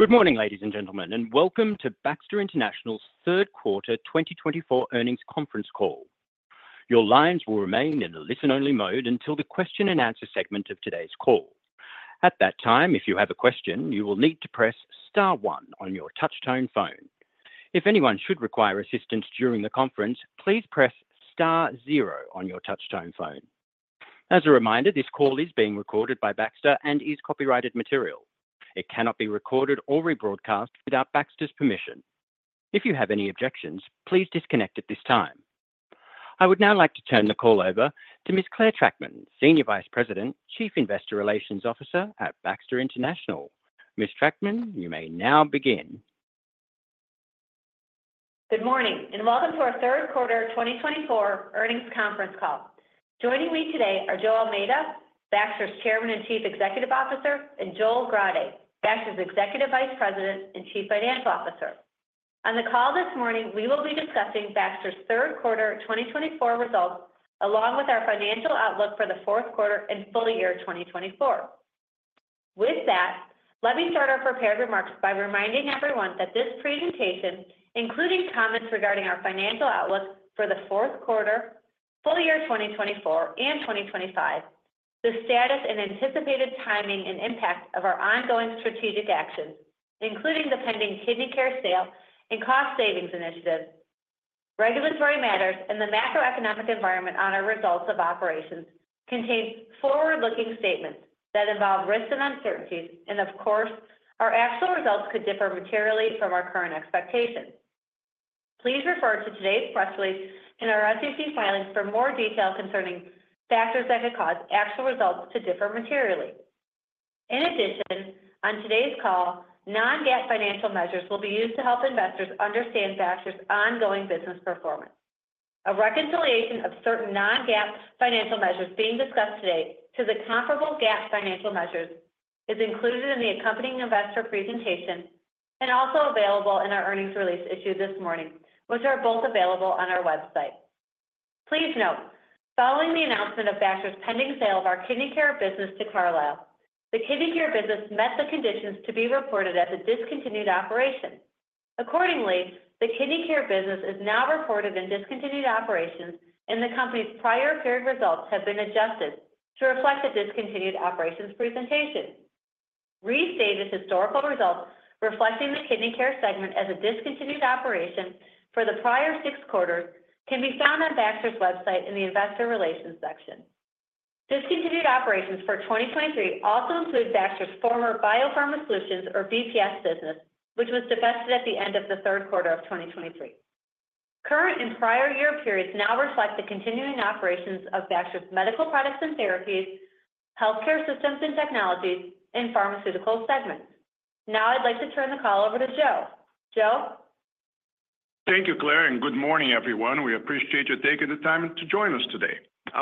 Good morning, ladies and gentlemen, and welcome to Baxter International's third quarter 2024 earnings conference call. Your lines will remain in the listen-only mode until the question-and-answer segment of today's call. At that time, if you have a question, you will need to press Star 1 on your touch-tone phone. If anyone should require assistance during the conference, please press Star 0 on your touch-tone phone. As a reminder, this call is being recorded by Baxter and is copyrighted material. It cannot be recorded or rebroadcast without Baxter's permission. If you have any objections, please disconnect at this time. I would now like to turn the call over to Ms. Clare Trachtman, Senior Vice President, Chief Investor Relations Officer at Baxter International. Ms. Trachtman, you may now begin. Good morning and welcome to our third quarter 2024 earnings conference call. Joining me today are Joe Almeida, Baxter's Chairman and Chief Executive Officer, and Joel Grade, Baxter's Executive Vice President and Chief Financial Officer. On the call this morning, we will be discussing Baxter's third quarter 2024 results along with our financial outlook for the fourth quarter and full year 2024. With that, let me start our prepared remarks by reminding everyone that this presentation, including comments regarding our financial outlook for the fourth quarter, full year 2024, and 2025, the status and anticipated timing and impact of our ongoing strategic actions, including the pending Kidney Care sale and cost savings initiative, regulatory matters, and the macroeconomic environment on our results of operations, contains forward-looking statements that involve risks and uncertainties, and of course, our actual results could differ materially from our current expectations. Please refer to today's press release and our SEC filings for more detail concerning factors that could cause actual results to differ materially. In addition, on today's call, non-GAAP financial measures will be used to help investors understand Baxter's ongoing business performance. A reconciliation of certain non-GAAP financial measures being discussed today to the comparable GAAP financial measures is included in the accompanying investor presentation and also available in our earnings release issued this morning, which are both available on our website. Please note, following the announcement of Baxter's pending sale of our kidney Care business to Carlyle, the kidney Care business met the conditions to be reported as a discontinued operation. Accordingly, the kidney Care business is now reported in discontinued operations, and the company's prior period results have been adjusted to reflect the discontinued operations presentation. Re-stated historical results reflecting the Kidney Care segment as a discontinued operation for the prior six quarters can be found on Baxter's website in the investor relations section. Discontinued operations for 2023 also include Baxter's former BioPharma Solutions, or BPS, business, which was divested at the end of the third quarter of 2023. Current and prior year periods now reflect the continuing operations of Baxter's Medical Products and Therapies, Healthcare Systems and Technologies, and Pharmaceuticals segments. Now I'd like to turn the call over to Joe. Joe. Thank you, Clare, and good morning, everyone. We appreciate your taking the time to join us today.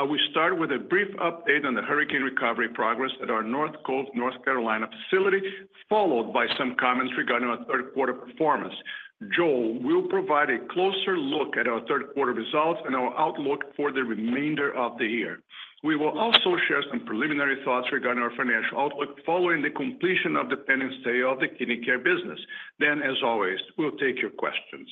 We start with a brief update on the hurricane recovery progress at our North Cove, North Carolina, facility, followed by some comments regarding our third quarter performance. Joel will provide a closer look at our third quarter results and our outlook for the remainder of the year. We will also share some preliminary thoughts regarding our financial outlook following the completion of the pending sale of the Kidney Care business. Then, as always, we'll take your questions.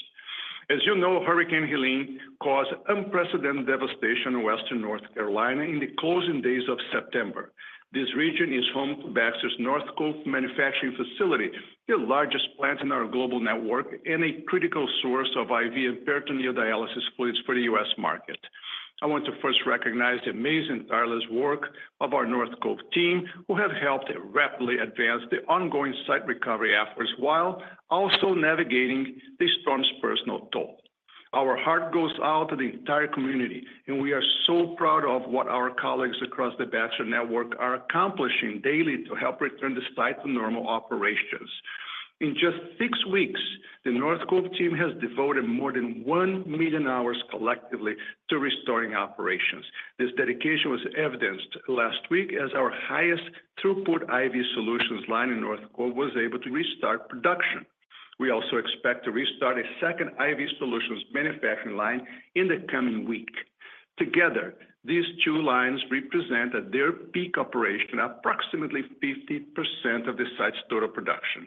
As you know, Hurricane Helene caused unprecedented devastation in Western North Carolina in the closing days of September. This region is home to Baxter's North Cove manufacturing facility, the largest plant in our global network, and a critical source of IV and peritoneal dialysis fluids for the U.S. market. I want to first recognize the amazing tireless work of our North Cove team, who have helped rapidly advance the ongoing site recovery efforts while also navigating the storm's personal toll. Our heart goes out to the entire community, and we are so proud of what our colleagues across the Baxter network are accomplishing daily to help return the site to normal operations. In just six weeks, the North Cove team has devoted more than one million hours collectively to restoring operations. This dedication was evidenced last week as our highest throughput IV solutions line in North Cove was able to restart production. We also expect to restart a second IV solutions manufacturing line in the coming week. Together, these two lines represent, at their peak operation, approximately 50% of the site's total production.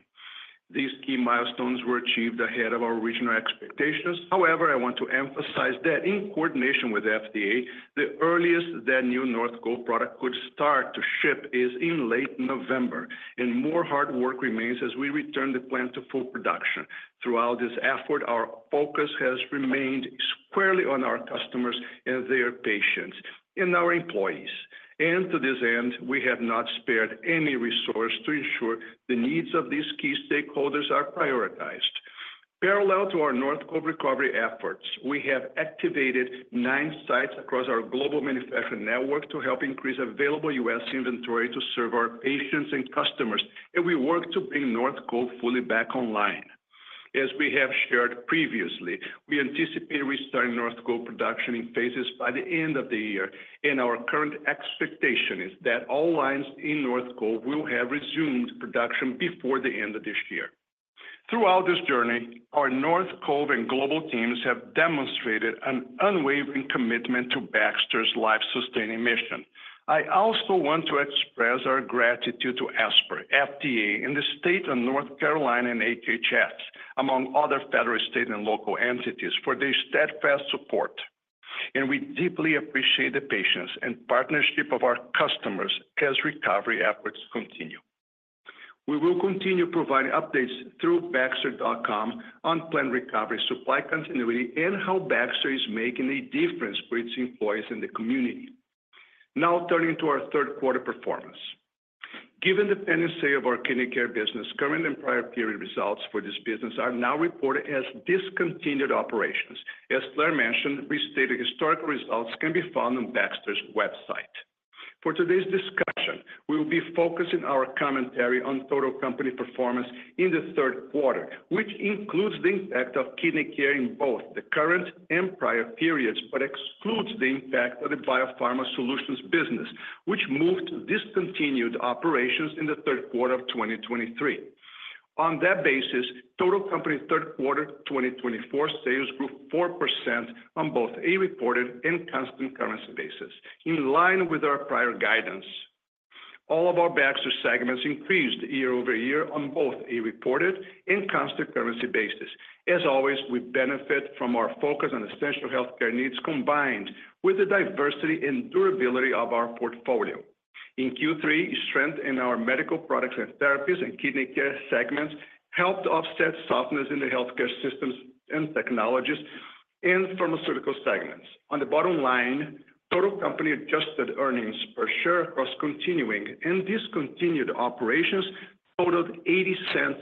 These key milestones were achieved ahead of our original expectations. However, I want to emphasize that in coordination with the FDA, the earliest that new North Cove product could start to ship is in late November, and more hard work remains as we return the plant to full production. Throughout this effort, our focus has remained squarely on our customers and their patients and our employees, and to this end, we have not spared any resources to ensure the needs of these key stakeholders are prioritized. Parallel to our North Cove recovery efforts, we have activated nine sites across our global manufacturing network to help increase available U.S. inventory to serve our patients and customers, and we work to bring North Cove fully back online. As we have shared previously, we anticipate restarting North Cove production in phases by the end of the year, and our current expectation is that all lines in North Cove will have resumed production before the end of this year. Throughout this journey, our North Cove and global teams have demonstrated an unwavering commitment to Baxter's life-sustaining mission. I also want to express our gratitude to ASPR, FDA, and the State of North Carolina and HHS, among other federal, state, and local entities, for their steadfast support, and we deeply appreciate the patience and partnership of our customers as recovery efforts continue. We will continue providing updates through Baxter.com on plant recovery, supply continuity, and how Baxter is making a difference for its employees and the community. Now turning to our third quarter performance. Given the pending sale of our Kidney Care business, current and prior period results for this business are now reported as discontinued operations. As Clare mentioned, restated historical results can be found on Baxter's website. For today's discussion, we will be focusing our commentary on total company performance in the third quarter, which includes the impact of Kidney Care in both the current and prior periods, but excludes the impact of the BioPharma Solutions business, which moved to discontinued operations in the third quarter of 2023. On that basis, total company third quarter 2024 sales grew 4% on both a reported and Constant Currency basis, in line with our prior guidance. All of our Baxter segments increased year-over-year on both a reported and Constant Currency basis. As always, we benefit from our focus on essential healthcare needs combined with the diversity and durability of our portfolio. In Q3, strength in our Medical Products and Therapies and Kidney Care segments helped offset softness in the Healthcare Systems and Technologies and Pharmaceuticals segments. On the bottom line, total company Adjusted Earnings Per Share across continuing and discontinued operations totaled $0.80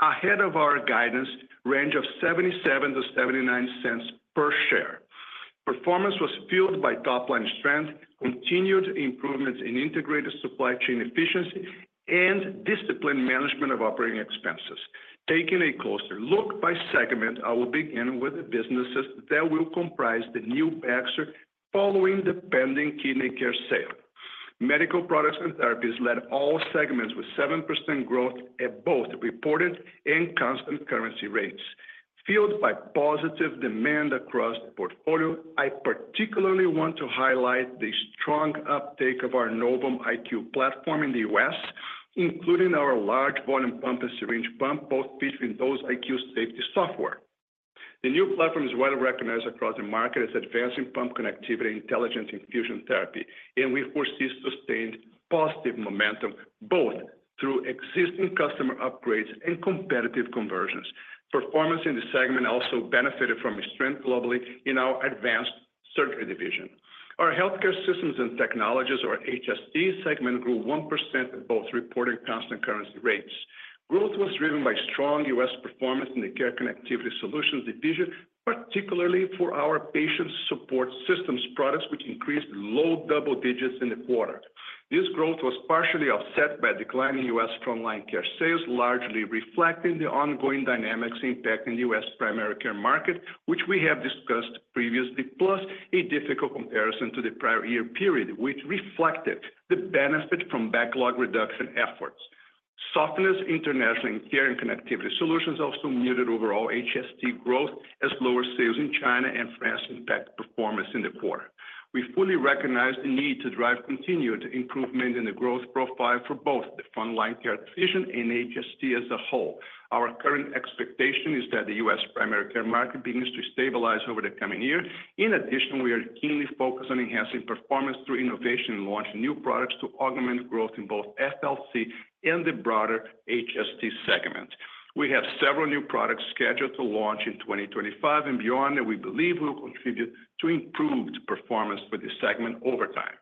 ahead of our guidance range of $0.77-$0.79 per share. Performance was fueled by top-line strength, continued improvements in Integrated Supply Chain efficiency, and disciplined management of operating expenses. Taking a closer look by segment, I will begin with the businesses that will comprise the new Baxter following the pending Kidney Care sale. Medical Products and Therapies led all segments with 7% growth at both reported and constant currency rates. Fueled by positive demand across the portfolio, I particularly want to highlight the strong uptake of our Novum IQ platform in the U.S., including our large volume pump and syringe pump, both featuring Dose IQ safety software. The new platform is widely recognized across the market as advancing pump connectivity, intelligence, and fusion therapy, and we foresee sustained positive momentum both through existing customer upgrades and competitive conversions. Performance in the segment also benefited from strength globally in our Advanced Surgery division. Our Healthcare Systems and Technologies, or HST, segment, grew 1% at both reporting constant currency rates. Growth was driven by strong U.S. performance in the Care and Connectivity Solutions division, particularly for our Patient Support Systems products, which increased low double digits in the quarter. This growth was partially offset by declining U.S. Frontline Care sales, largely reflecting the ongoing dynamics impacting the U.S. Primary care market, which we have discussed previously, plus a difficult comparison to the prior year period, which reflected the benefit from backlog reduction efforts. Softness internationally in Care and Connectivity Solutions also muted overall HST growth as lower sales in China and France impacted performance in the quarter. We fully recognize the need to drive continued improvement in the growth profile for both the Frontline Care division and HST as a whole. Our current expectation is that the U.S. primary care market begins to stabilize over the coming year. In addition, we are keenly focused on enhancing performance through innovation and launching new products to augment growth in both FLC and the broader HST segment. We have several new products scheduled to launch in 2025 and beyond, and we believe we will contribute to improved performance for the segment over time.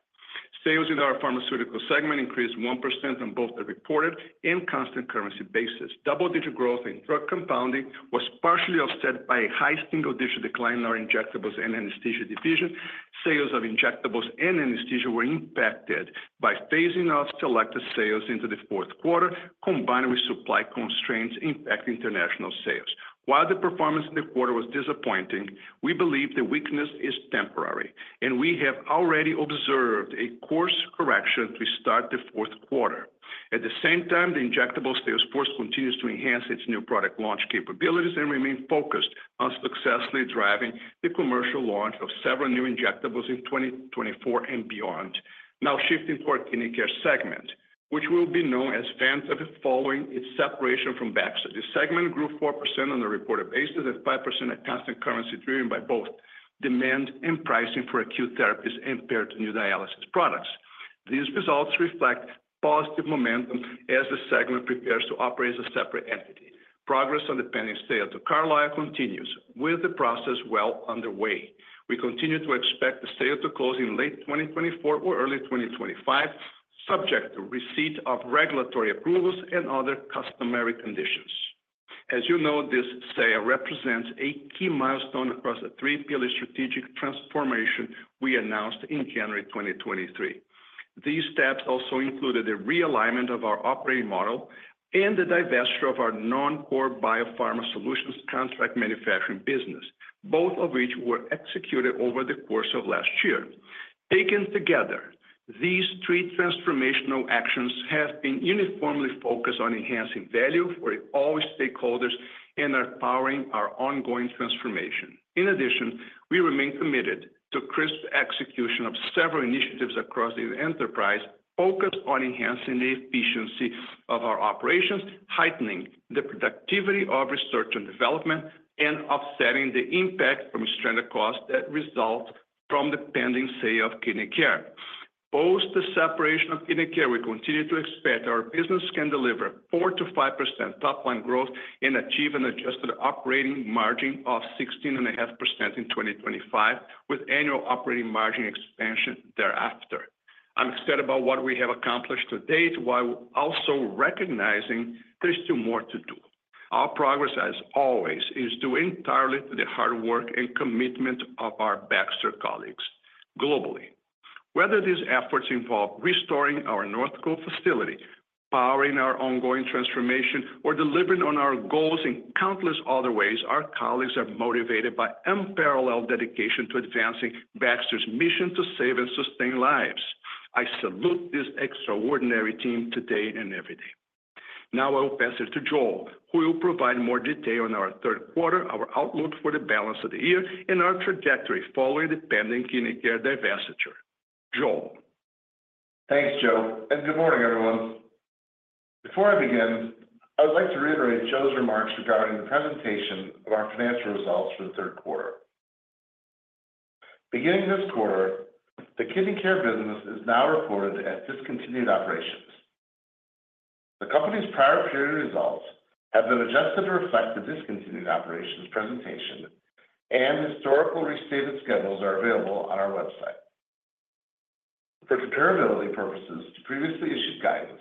Sales in our pharmaceutical segment increased 1% on both the reported and constant currency basis. Double-digit growth in drug compounding was partially offset by a high single-digit decline in our Injectables and Anesthesia division. Sales of injectables and anesthesia were impacted by phasing out selective sales into the fourth quarter, combined with supply constraints impacting international sales. While the performance in the quarter was disappointing, we believe the weakness is temporary, and we have already observed a course correction to start the fourth quarter. At the same time, the injectable sales force continues to enhance its new product launch capabilities and remain focused on successfully driving the commercial launch of several new injectables in 2024 and beyond. Now shifting to our kidney Care segment, which will be known as Vantive following its separation from Baxter. The segment grew 4% on a reported basis and 5% at constant currency driven by both demand and pricing for acute therapies and peritoneal dialysis products. These results reflect positive momentum as the segment prepares to operate as a separate entity. Progress on the pending sale to Carlyle continues, with the process well underway. We continue to expect the sale to close in late 2024 or early 2025, subject to receipt of regulatory approvals and other customary conditions. As you know, this sale represents a key milestone across the three-pillar strategic transformation we announced in January 2023. These steps also included the realignment of our operating model and the divestiture of our non-core biopharma solutions contract manufacturing business, both of which were executed over the course of last year. Taken together, these three transformational actions have been uniformly focused on enhancing value for all stakeholders and are powering our ongoing transformation. In addition, we remain committed to crisp execution of several initiatives across the enterprise focused on enhancing the efficiency of our operations, heightening the productivity of research and development, and offsetting the impact from stranded costs that result from the pending sale of Kidney Care. Post the separation of Kidney Care, we continue to expect our business can deliver 4%-5% top-line growth and achieve an adjusted operating margin of 16.5% in 2025, with annual operating margin expansion thereafter. I'm excited about what we have accomplished to date, while also recognizing there's still more to do. Our progress, as always, is due entirely to the hard work and commitment of our Baxter colleagues globally. Whether these efforts involve restoring our North Cove facility, powering our ongoing transformation, or delivering on our goals in countless other ways, our colleagues are motivated by unparalleled dedication to advancing Baxter's mission to save and sustain lives. I salute this extraordinary team today and every day. Now I will pass it to Joel, who will provide more detail on our third quarter, our outlook for the balance of the year, and our trajectory following the pending Kidney Care divestiture. Joel. Thanks, Joe, and good morning, everyone. Before I begin, I would like to reiterate Joe's remarks regarding the presentation of our financial results for the third quarter. Beginning this quarter, the Kidney Care business is now reported as Discontinued Operations. The company's prior period results have been adjusted to reflect the Discontinued Operations presentation, and historical restated schedules are available on our website. For comparability purposes to previously issued guidance,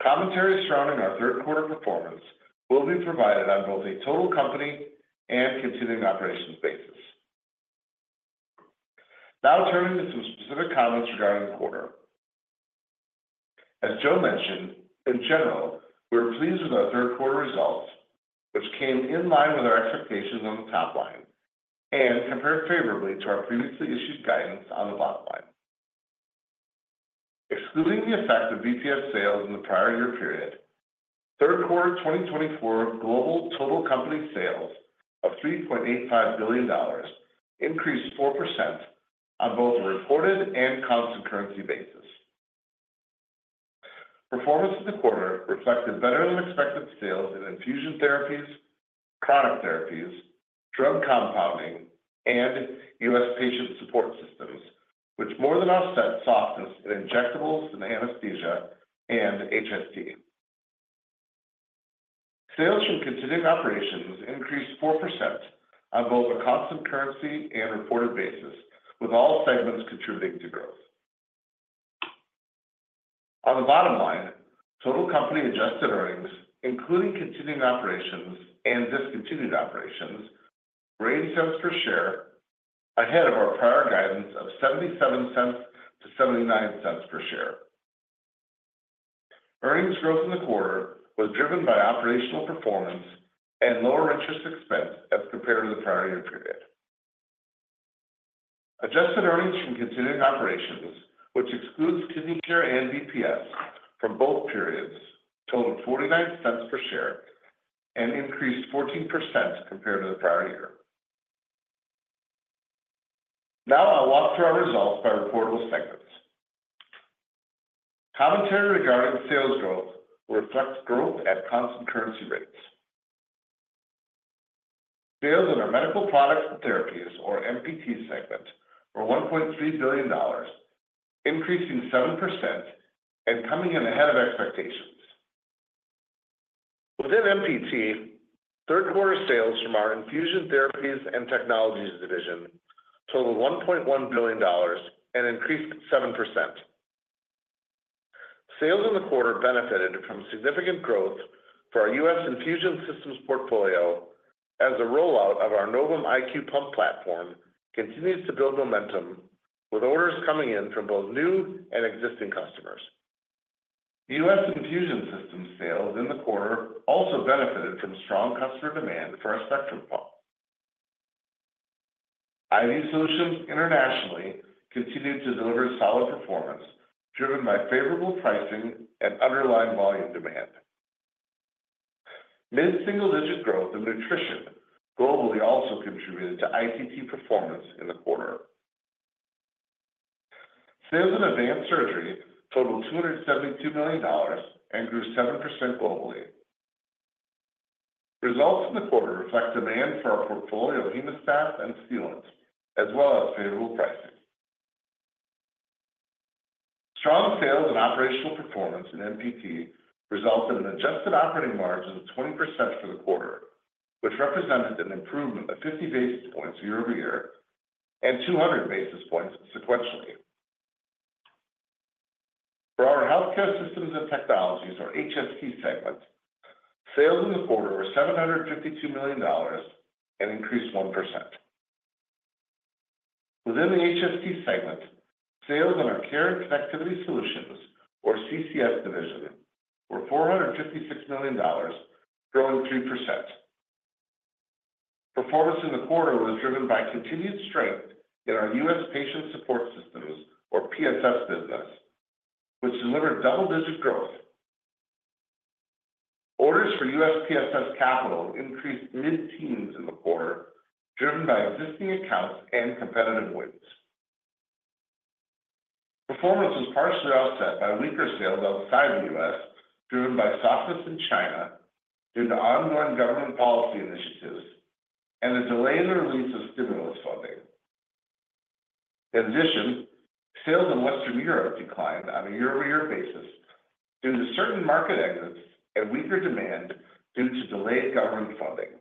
commentary surrounding our third quarter performance will be provided on both a total company and continuing operations basis. Now turning to some specific comments regarding the quarter. As Joe mentioned, in general, we're pleased with our third quarter results, which came in line with our expectations on the top line and compared favorably to our previously issued guidance on the bottom line. Excluding the effect of VBP sales in the prior year period, third quarter 2024 global total company sales of $3.85 billion increased 4% on both the reported and constant currency basis. Performance in the quarter reflected better than expected sales in infusion therapies, chronic therapies, drug compounding, and U.S. patient support systems, which more than offset softness in injectables and anesthesia and HST. Sales from continuing operations increased 4% on both a constant currency and reported basis, with all segments contributing to growth. On the bottom line, total company adjusted earnings, including continuing operations and discontinued operations, raised cents per share ahead of our prior guidance of $0.77-$0.79 per share. Earnings growth in the quarter was driven by operational performance and lower interest expense as compared to the prior year period. Adjusted earnings from continuing operations, which excludes Kidney Care and BPS from both periods, totaled $0.49 per share and increased 14% compared to the prior year. Now I'll walk through our results by reportable segments. Commentary regarding sales growth reflects growth at constant currency rates. Sales in our Medical Products and Therapies, or MPT, segment were $1.3 billion, increasing 7% and coming in ahead of expectations. Within MPT, third quarter sales from our Infusion Therapies and Technologies division totaled $1.1 billion and increased 7%. Sales in the quarter benefited from significant growth for our U.S. infusion systems portfolio as the rollout of our Novum IQ pump platform continues to build momentum, with orders coming in from both new and existing customers. U.S. infusion systems sales in the quarter also benefited from strong customer demand for our Spectrum pump. IV solutions internationally continued to deliver solid performance, driven by favorable pricing and underlying volume demand. Mid-single-digit growth in nutrition globally also contributed to ITT performance in the quarter. Sales in Advanced Surgery totaled $272 million and grew 7% globally. Results in the quarter reflect demand for our portfolio of hemostats and sealants, as well as favorable pricing. Strong sales and operational performance in MPT resulted in an adjusted operating margin of 20% for the quarter, which represented an improvement of 50 basis points year-over-year and 200 basis points sequentially. For our healthcare systems and technologies, or HST segment, sales in the quarter were $752 million and increased 1%. Within the HST segment, sales in our care and connectivity solutions, or CCS division, were $456 million, growing 3%. Performance in the quarter was driven by continued strength in our U.S. patient support systems, or PSS business, which delivered double-digit growth. Orders for U.S. PSS capital increased mid-teens in the quarter, driven by existing accounts and competitive wins. Performance was partially offset by weaker sales outside the U.S., driven by softness in China due to ongoing government policy initiatives and a delay in the release of stimulus funding. In addition, sales in Western Europe declined on a year-over-year basis due to certain market exits and weaker demand due to delayed government funding.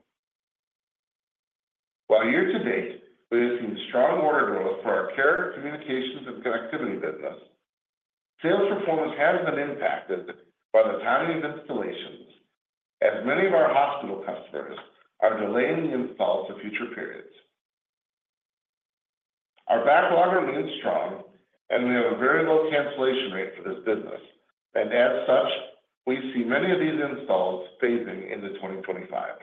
While year-to-date, we have seen strong order growth for our Care and Connectivity business, sales performance has been impacted by the timing of installations, as many of our hospital customers are delaying the installs to future periods. Our backlog remains strong, and we have a very low cancellation rate for this business, and as such, we see many of these installs phasing into 2025.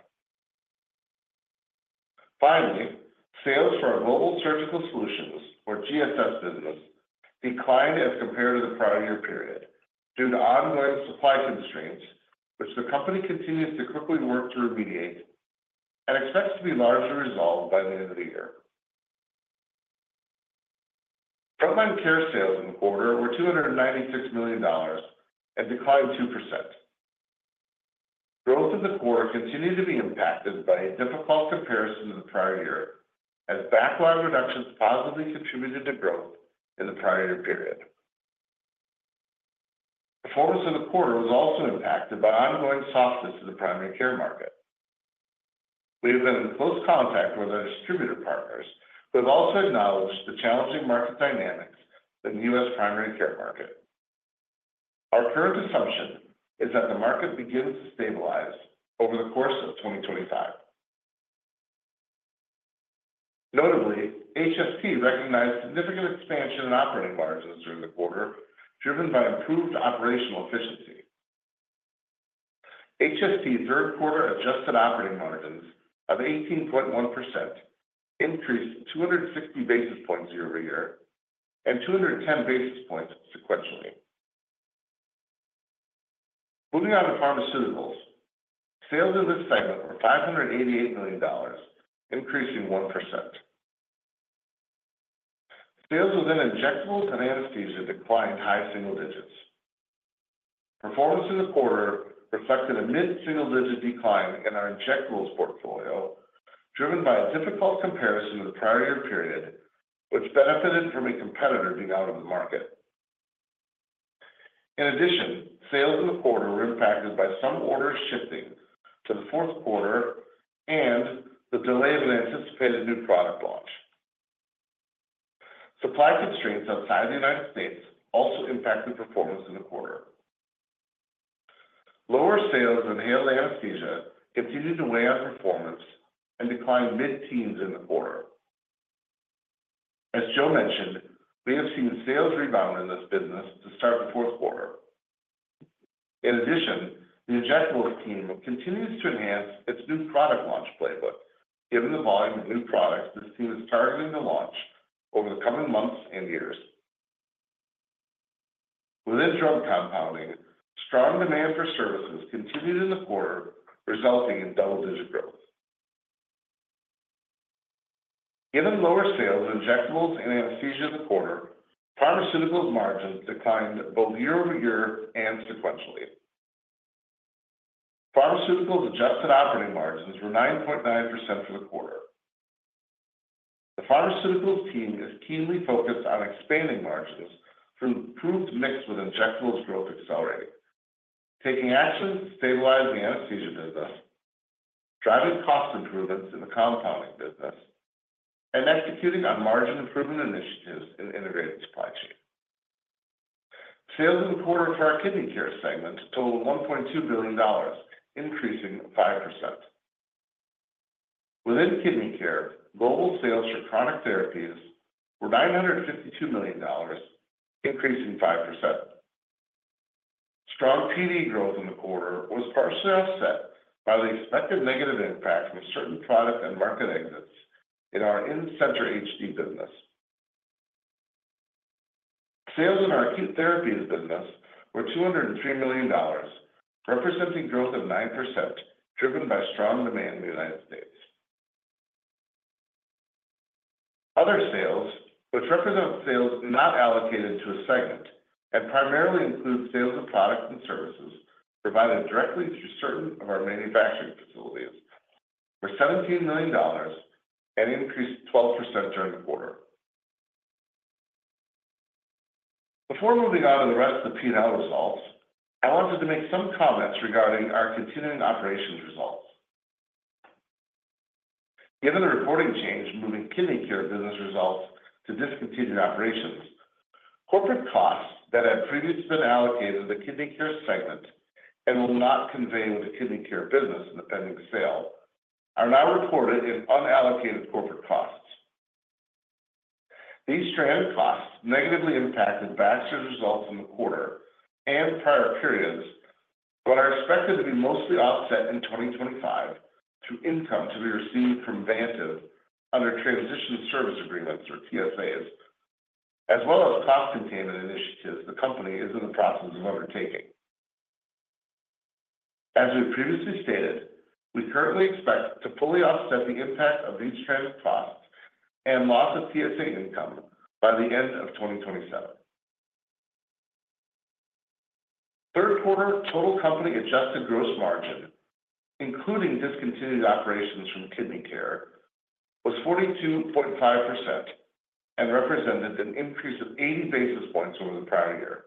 Finally, sales for our Global Surgical Solutions, or GSS business, declined as compared to the prior year period due to ongoing supply constraints, which the company continues to quickly work to remediate and expects to be largely resolved by the end of the year. Frontline Care sales in the quarter were $296 million and declined 2%. Growth in the quarter continued to be impacted by a difficult comparison to the prior year, as backlog reductions positively contributed to growth in the prior year period. Performance in the quarter was also impacted by ongoing softness in the primary care market. We have been in close contact with our distributor partners, who have also acknowledged the challenging market dynamics in the U.S. primary care market. Our current assumption is that the market begins to stabilize over the course of 2025. Notably, HST recognized significant expansion in operating margins during the quarter, driven by improved operational efficiency. HST third quarter adjusted operating margins of 18.1% increased 260 basis points year-over-year and 210 basis points sequentially. Moving on to pharmaceuticals, sales in this segment were $588 million, increasing 1%. Sales within injectables and anesthesia declined high single digits. Performance in the quarter reflected a mid-single-digit decline in our injectables portfolio, driven by a difficult comparison to the prior year period, which benefited from a competitor being out of the market. In addition, sales in the quarter were impacted by some orders shifting to the fourth quarter and the delay of an anticipated new product launch. Supply constraints outside the United States also impacted performance in the quarter. Lower sales in inhaled anesthesia continued to weigh on performance and declined mid-teens in the quarter. As Joe mentioned, we have seen sales rebound in this business to start the fourth quarter. In addition, the injectables team continues to enhance its new product launch playbook, given the volume of new products this team is targeting to launch over the coming months and years. Within drug compounding, strong demand for services continued in the quarter, resulting in double-digit growth. Given lower sales of injectables and anesthesia in the quarter, Pharmaceuticals margins declined both year-over-year and sequentially. Pharmaceuticals adjusted operating margins were 9.9% for the quarter. The Pharmaceuticals team is keenly focused on expanding margins through product mix with injectables growth accelerating, taking actions to stabilize the anesthesia business, driving cost improvements in the compounding business, and executing on margin improvement initiatives in Integrated Supply Chain. Sales in the quarter for our Kidney Care segment totaled $1.2 billion, increasing 5%. Within Kidney Care, global sales for Chronic Therapies were $952 million, increasing 5%. Strong PD growth in the quarter was partially offset by the expected negative impact from certain product and market exits in our in-center HD business. Sales in our Acute Therapies business were $203 million, representing growth of 9%, driven by strong demand in the United States. Other sales, which represent sales not allocated to a segment and primarily include sales of products and services provided directly through certain of our manufacturing facilities, were $17 million and increased 12% during the quarter. Before moving on to the rest of the P&L results, I wanted to make some comments regarding our continuing operations results. Given the reporting change moving kidney Care business results to discontinued operations, corporate costs that had previously been allocated to the kidney Care segment and will not convey with the kidney Care business in the pending sale are now reported in unallocated corporate costs. These stranded costs negatively impacted Baxter's results in the quarter and prior periods, but are expected to be mostly offset in 2025 through income to be received from Vantive under Transition Service Agreements, or TSAs, as well as cost containment initiatives the company is in the process of undertaking. As we previously stated, we currently expect to fully offset the impact of these stranded costs and loss of TSA income by the end of 2027. Third quarter total company adjusted gross margin, including discontinued operations from Kidney Care, was 42.5% and represented an increase of 80 basis points over the prior year.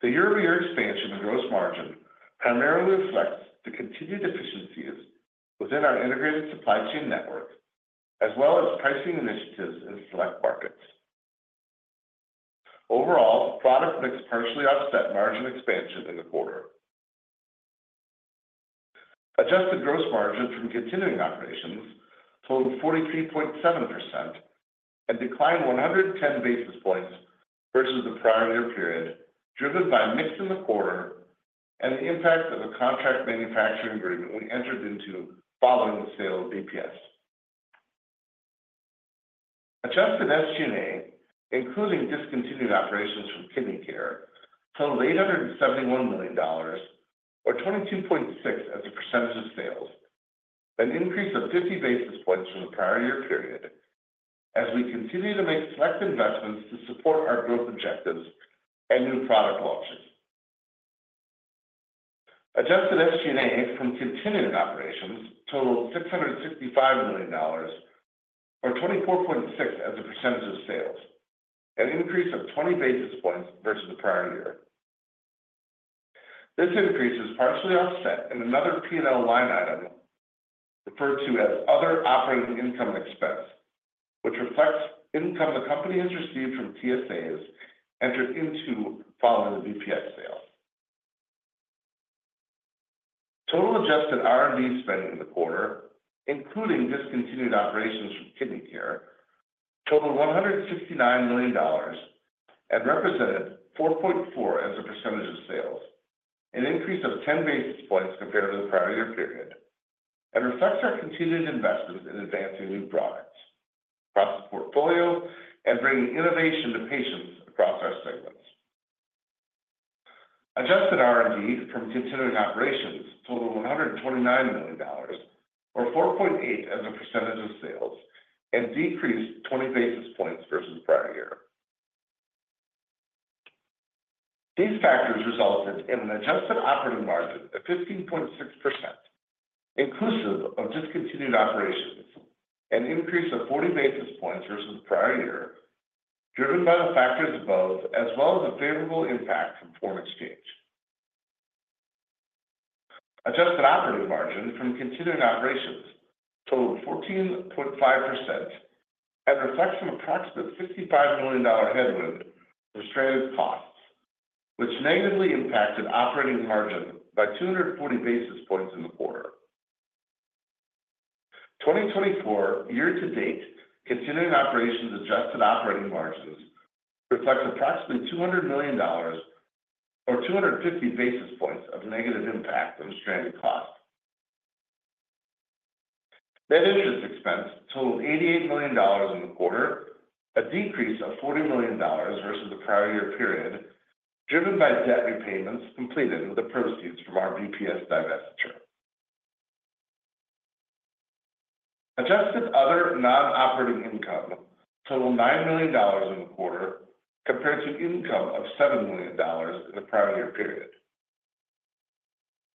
The year-over-year expansion in gross margin primarily reflects the continued efficiencies within our integrated supply chain network, as well as pricing initiatives in select markets. Overall, product mix partially offset margin expansion in the quarter. Adjusted gross margin from continuing operations totaled 43.7% and declined 110 basis points versus the prior year period, driven by mix in the quarter and the impact of a contract manufacturing agreement we entered into following the sale of BPS. Adjusted SG&A, including discontinued operations from Kidney Care, totaled $871 million, or 22.6% as a percentage of sales, an increase of 50 basis points from the prior year period, as we continue to make select investments to support our growth objectives and new product launches. Adjusted SG&A from continuing operations totaled $665 million, or 24.6% as a percentage of sales, an increase of 20 basis points versus the prior year. This increase is partially offset in another P&L line item referred to as other operating income and expense, which reflects income the company has received from TSAs entered into following the BPS sale. Total adjusted R&D spending in the quarter, including discontinued operations from Kidney Care, totaled $169 million and represented 4.4% as a percentage of sales, an increase of 10 basis points compared to the prior year period, and reflects our continued investments in advancing new products, across the portfolio, and bringing innovation to patients across our segments. Adjusted R&D from continuing operations totaled $129 million, or 4.8% as a percentage of sales, and decreased 20 basis points versus the prior year. These factors resulted in an adjusted operating margin of 15.6%, inclusive of discontinued operations, an increase of 40 basis points versus the prior year, driven by the factors above, as well as a favorable impact from foreign exchange. Adjusted operating margin from continuing operations totaled 14.5% and reflects an approximate $55 million headwind for stranded costs, which negatively impacted operating margin by 240 basis points in the quarter. 2024 year-to-date continuing operations adjusted operating margins reflects approximately $200 million, or 250 basis points of negative impact from stranded costs. Net interest expense totaled $88 million in the quarter, a decrease of $40 million versus the prior year period, driven by debt repayments completed with the proceeds from our BPS divestiture. Adjusted other non-operating income totaled $9 million in the quarter, compared to income of $7 million in the prior year period.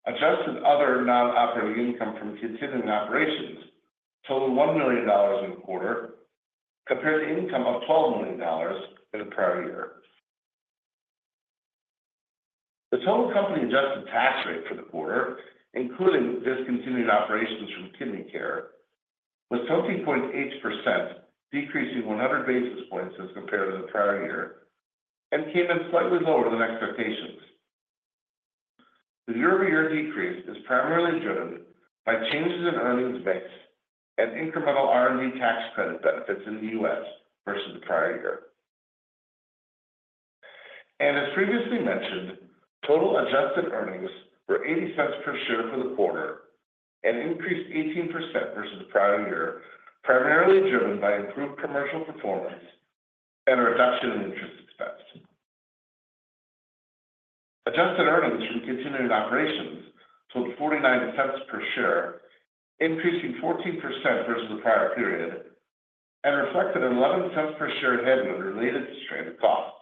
Adjusted other non-operating income from continuing operations totaled $1 million in the quarter, compared to income of $12 million in the prior year. The total company adjusted tax rate for the quarter, including discontinued operations from Kidney Care, was 20.8%, decreasing 100 basis points as compared to the prior year, and came in slightly lower than expectations. The year-over-year decrease is primarily driven by changes in earnings mix and incremental R&D tax credit benefits in the U.S. versus the prior year. And as previously mentioned, total adjusted earnings were $0.80 per share for the quarter, an increase of 18% versus the prior year, primarily driven by improved commercial performance and a reduction in interest expense. Adjusted earnings from continuing operations totaled $0.49 per share, increasing 14% versus the prior period, and reflected an $0.11 per share headwind related to stranded costs.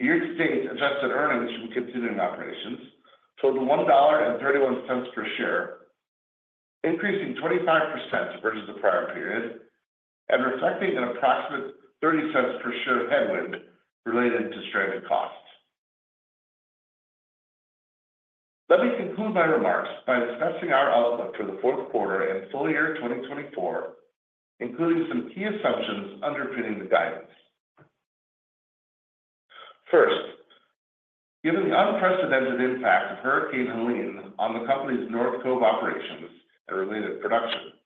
Year-to-date adjusted earnings from continuing operations totaled $1.31 per share, increasing 25% versus the prior period, and reflecting an approximate $0.30 per share headwind related to stranded costs. Let me conclude my remarks by discussing our outlook for the fourth quarter and full year 2024, including some key assumptions underpinning the guidance. First, given the unprecedented impact of Hurricane Helene on the company's North Cove operations and related production,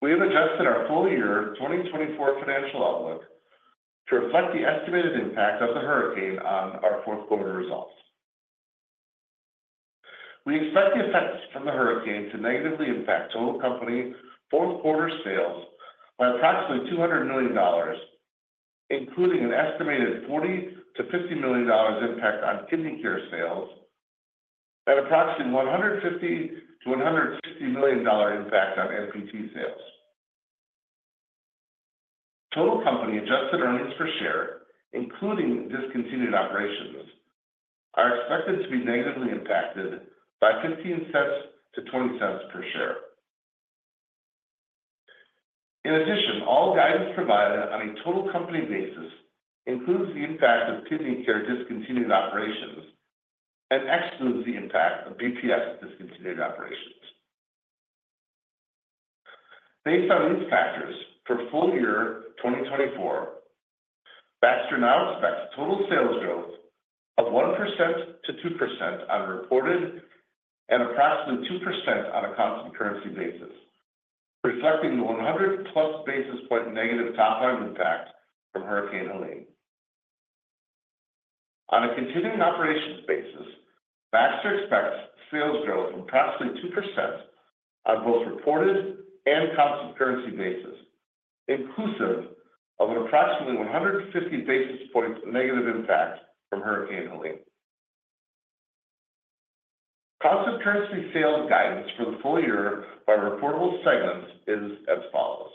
we have adjusted our full year 2024 financial outlook to reflect the estimated impact of the hurricane on our fourth quarter results. We expect the effects from the hurricane to negatively impact total company fourth quarter sales by approximately $200 million, including an estimated $40-$50 million impact on Kidney Care sales, and approximately $150-$160 million impact on MPT sales. Total company adjusted earnings per share, including discontinued operations, are expected to be negatively impacted by $0.15-$0.20 per share. In addition, all guidance provided on a total company basis includes the impact of Kidney Care discontinued operations and excludes the impact of BPS discontinued operations. Based on these factors, for full year 2024, Baxter now expects total sales growth of 1% to 2% on a reported and approximately 2% on a constant currency basis, reflecting the 100-plus basis point negative top line impact from Hurricane Helene. On a continuing operations basis, Baxter expects sales growth of approximately 2% on both reported and constant currency basis, inclusive of an approximately 150 basis point negative impact from Hurricane Helene. Constant currency sales guidance for the full year by reportable segments is as follows.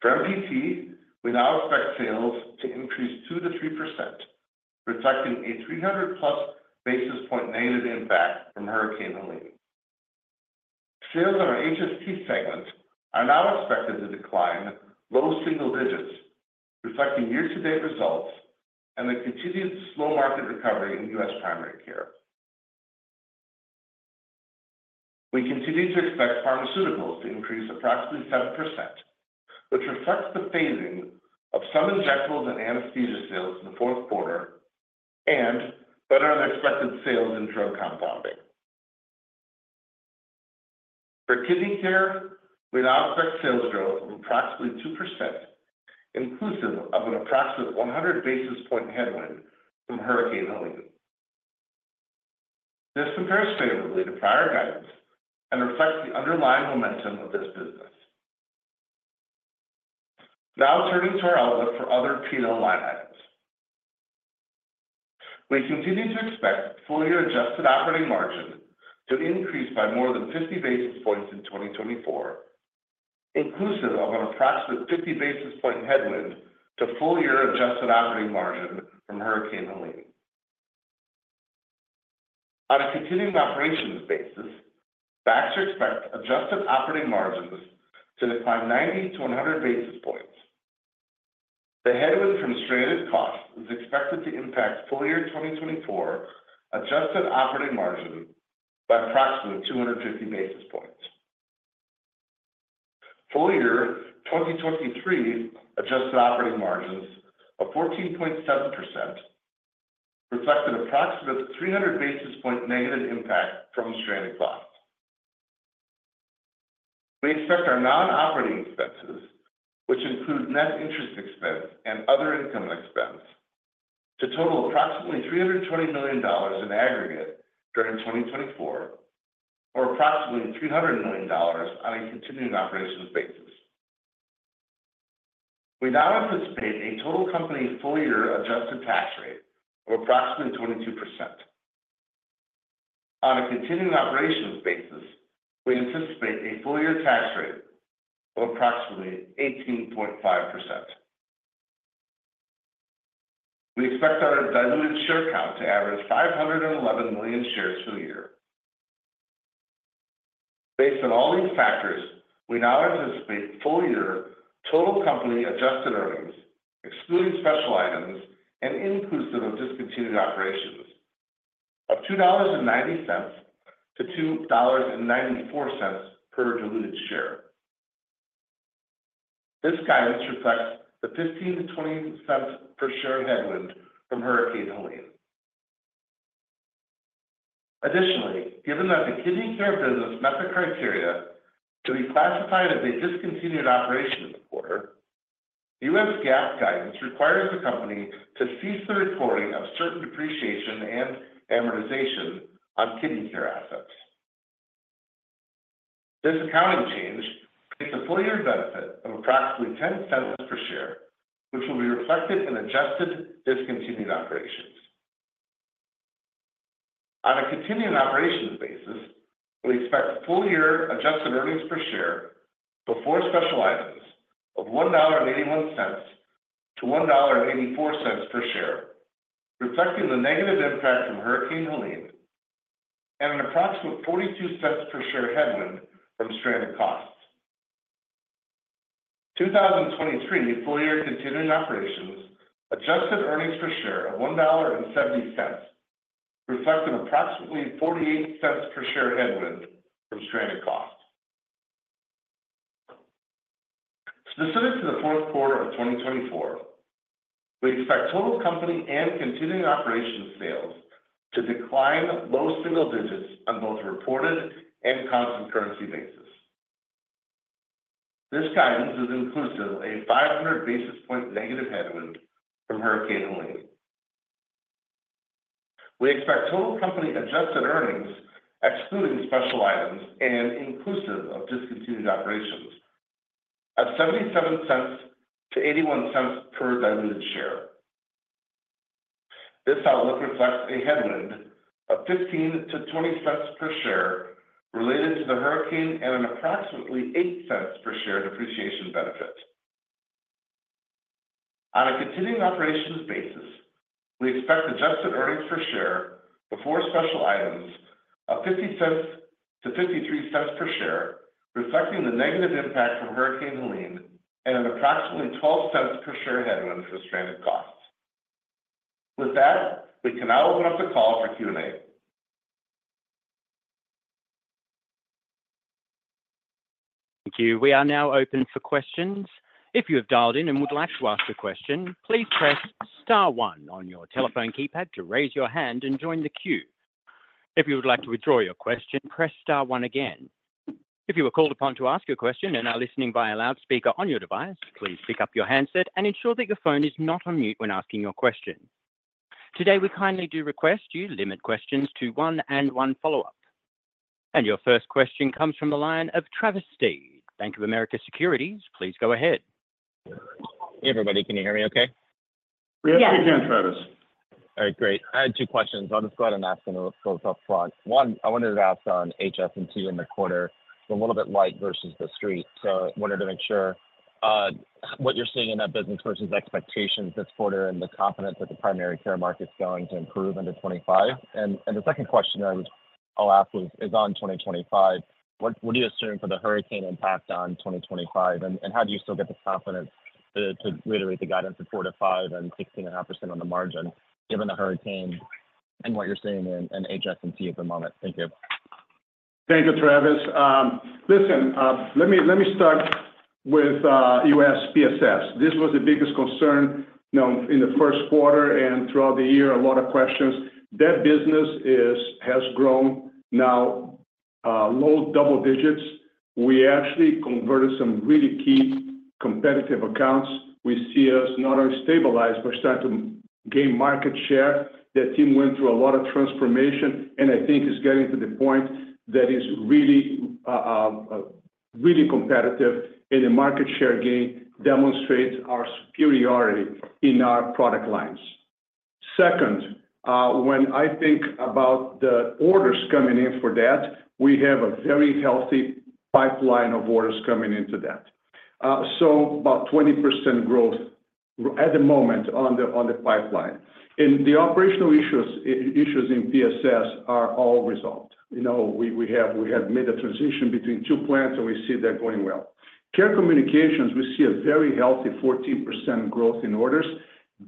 For MPT, we now expect sales to increase 2% to 3%, reflecting a 300-plus basis point negative impact from Hurricane Helene. Sales in our HST segment are now expected to decline low single digits, reflecting year-to-date results and the continued slow market recovery in U.S. primary care. We continue to expect Pharmaceuticals to increase approximately 7%, which reflects the phasing of some Injectables and Anesthesia sales in the fourth quarter and better-than-expected sales in Drug Compounding. For Kidney Care, we now expect sales growth of approximately 2%, inclusive of an approximate 100 basis point headwind from Hurricane Helene. This compares favorably to prior guidance and reflects the underlying momentum of this business. Now turning to our outlook for other P&L line items. We continue to expect full year Adjusted Operating Margin to increase by more than 50 basis points in 2024, inclusive of an approximate 50 basis point headwind to full year Adjusted Operating Margin from Hurricane Helene. On a Continuing Operations basis, Baxter expects adjusted operating margins to decline 90 to 100 basis points. The headwind from Stranded Costs is expected to impact full year 2024 Adjusted Operating Margin by approximately 250 basis points. Full year 2023 adjusted operating margins of 14.7% reflected approximate 300 basis points negative impact from stranded costs. We expect our non-operating expenses, which include net interest expense and other income expense, to total approximately $320 million in aggregate during 2024, or approximately $300 million on a continuing operations basis. We now anticipate a total company full year adjusted tax rate of approximately 22%. On a continuing operations basis, we anticipate a full year tax rate of approximately 18.5%. We expect our diluted share count to average 511 million shares for the year. Based on all these factors, we now anticipate full year total company adjusted earnings, excluding special items and inclusive of discontinued operations, of $2.90-$2.94 per diluted share. This guidance reflects the 15-20 cents per share headwind from Hurricane Helene. Additionally, given that the kidney CCre business met the criteria to be classified as a discontinued operation in the quarter, U.S. GAAP guidance requires the company to cease the reporting of certain depreciation and amortization on kidney care assets. This accounting change creates a full year benefit of approximately $0.10 per share, which will be reflected in adjusted discontinued operations. On a continuing operations basis, we expect full year adjusted earnings per share before special items of $1.81-$1.84 per share, reflecting the negative impact from Hurricane Helene and an approximate $0.42 per share headwind from stranded costs. 2023 full year continuing operations adjusted earnings per share of $1.70 reflected approximately $0.48 per share headwind from stranded cost. Specific to the fourth quarter of 2024, we expect total company and continuing operations sales to decline low single digits on both reported and constant currency basis. This guidance is inclusive of a 500 basis points negative headwind from Hurricane Helene. We expect total company adjusted earnings, excluding special items and inclusive of discontinued operations, of $0.77-$0.81 per diluted share. This outlook reflects a headwind of $0.15-$0.20 per share related to the hurricane and an approximately $0.08 per share depreciation benefit. On a continuing operations basis, we expect adjusted earnings per share before special items of $0.50-$0.53 per share, reflecting the negative impact from Hurricane Helene and an approximately $0.12 per share headwind from stranded costs. With that, we can now open up the call for Q&A. Thank you. We are now open for questions. If you have dialed in and would like to ask a question, please press Star 1 on your telephone keypad to raise your hand and join the queue. If you would like to withdraw your question, press Star 1 again. If you are called upon to ask a question and are listening via loudspeaker on your device, please pick up your handset and ensure that your phone is not on mute when asking your question. Today, we kindly do request you limit questions to one and one follow-up. And your first question comes from the line of Travis Steed. Bank of America Securities, please go ahead. Hey, everybody. Can you hear me okay? Yes, we can, Travis. All right, great. I had two questions. I just got an ask and a little tough slot. One, I wanted to ask on HST in the quarter, the little bit light versus the street. I wanted to make sure what you're seeing in that business versus expectations this quarter and the confidence that the primary care market's going to improve in 2025. The second question I'll ask is on 2025. What do you assume for the hurricane impact on 2025? And how do you still get the confidence to reiterate the guidance of 4%-5% and 16.5% on the margin given the hurricane and what you're seeing in HST at the moment? Thank you. Thank you, Travis. Listen, let me start with U.S. PSS. This was the biggest concern in the first quarter and throughout the year, a lot of questions. That business has grown now low double digits. We actually converted some really key competitive accounts. We see us not only stabilize, but start to gain market share. The team went through a lot of transformation, and I think it's getting to the point that it's really competitive, and the market share gain demonstrates our superiority in our product lines. Second, when I think about the orders coming in for that, we have a very healthy pipeline of orders coming into that. So about 20% growth at the moment on the pipeline. And the operational issues in BPS are all resolved. We have made a transition between two plants, and we see that going well. Care and Connectivity Solutions, we see a very healthy 14% growth in orders.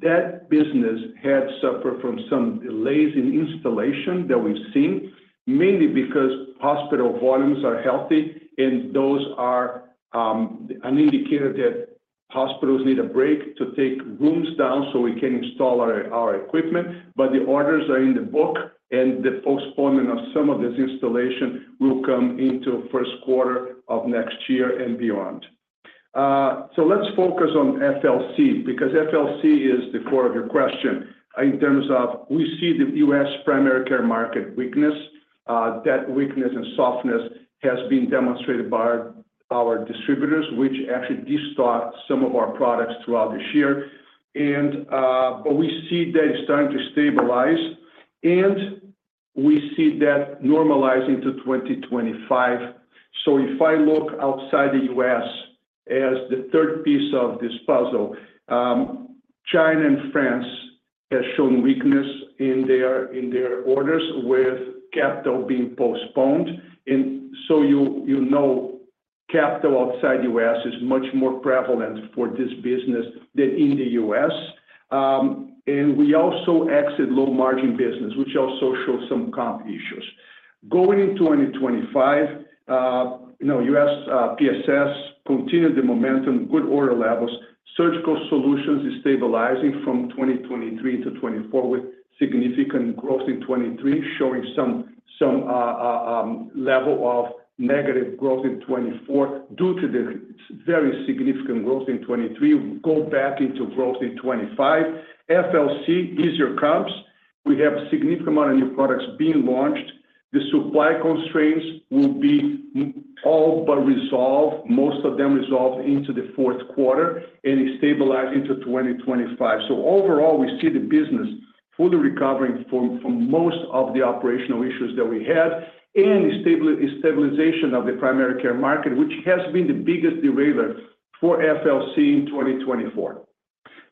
That business had suffered from some delays in installation that we've seen, mainly because hospital volumes are healthy, and those are an indicator that hospitals need a break to take rooms down so we can install our equipment. But the orders are in the book, and the postponement of some of this installation will come into first quarter of next year and beyond. So let's focus on FLC because FLC is the core of your question in terms of we see the U.S. primary care market weakness. That weakness and softness has been demonstrated by our distributors, which actually destocked some of our products throughout this year. But we see that it's starting to stabilize, and we see that normalizing to 2025. So if I look outside the U.S. as the third piece of this puzzle, China and France have shown weakness in their orders with capital being postponed. And so you know capital outside the U.S. PSS is much more prevalent for this business than in the U.S. And we also exit low margin business, which also shows some comp issues. Going into 2025, U.S. BSS continued the momentum, good order levels. Surgical Solutions is stabilizing from 2023 to 2024 with significant growth in 2023, showing some level of negative growth in 2024 due to the very significant growth in 2023. We'll go back into growth in 2025. FLC, easier comps. We have a significant amount of new products being launched. The supply constraints will be all but resolved, most of them resolved into the fourth quarter, and it stabilized into 2025. So overall, we see the business fully recovering from most of the operational issues that we had and the stabilization of the primary care market, which has been the biggest derailer for FLC in 2024.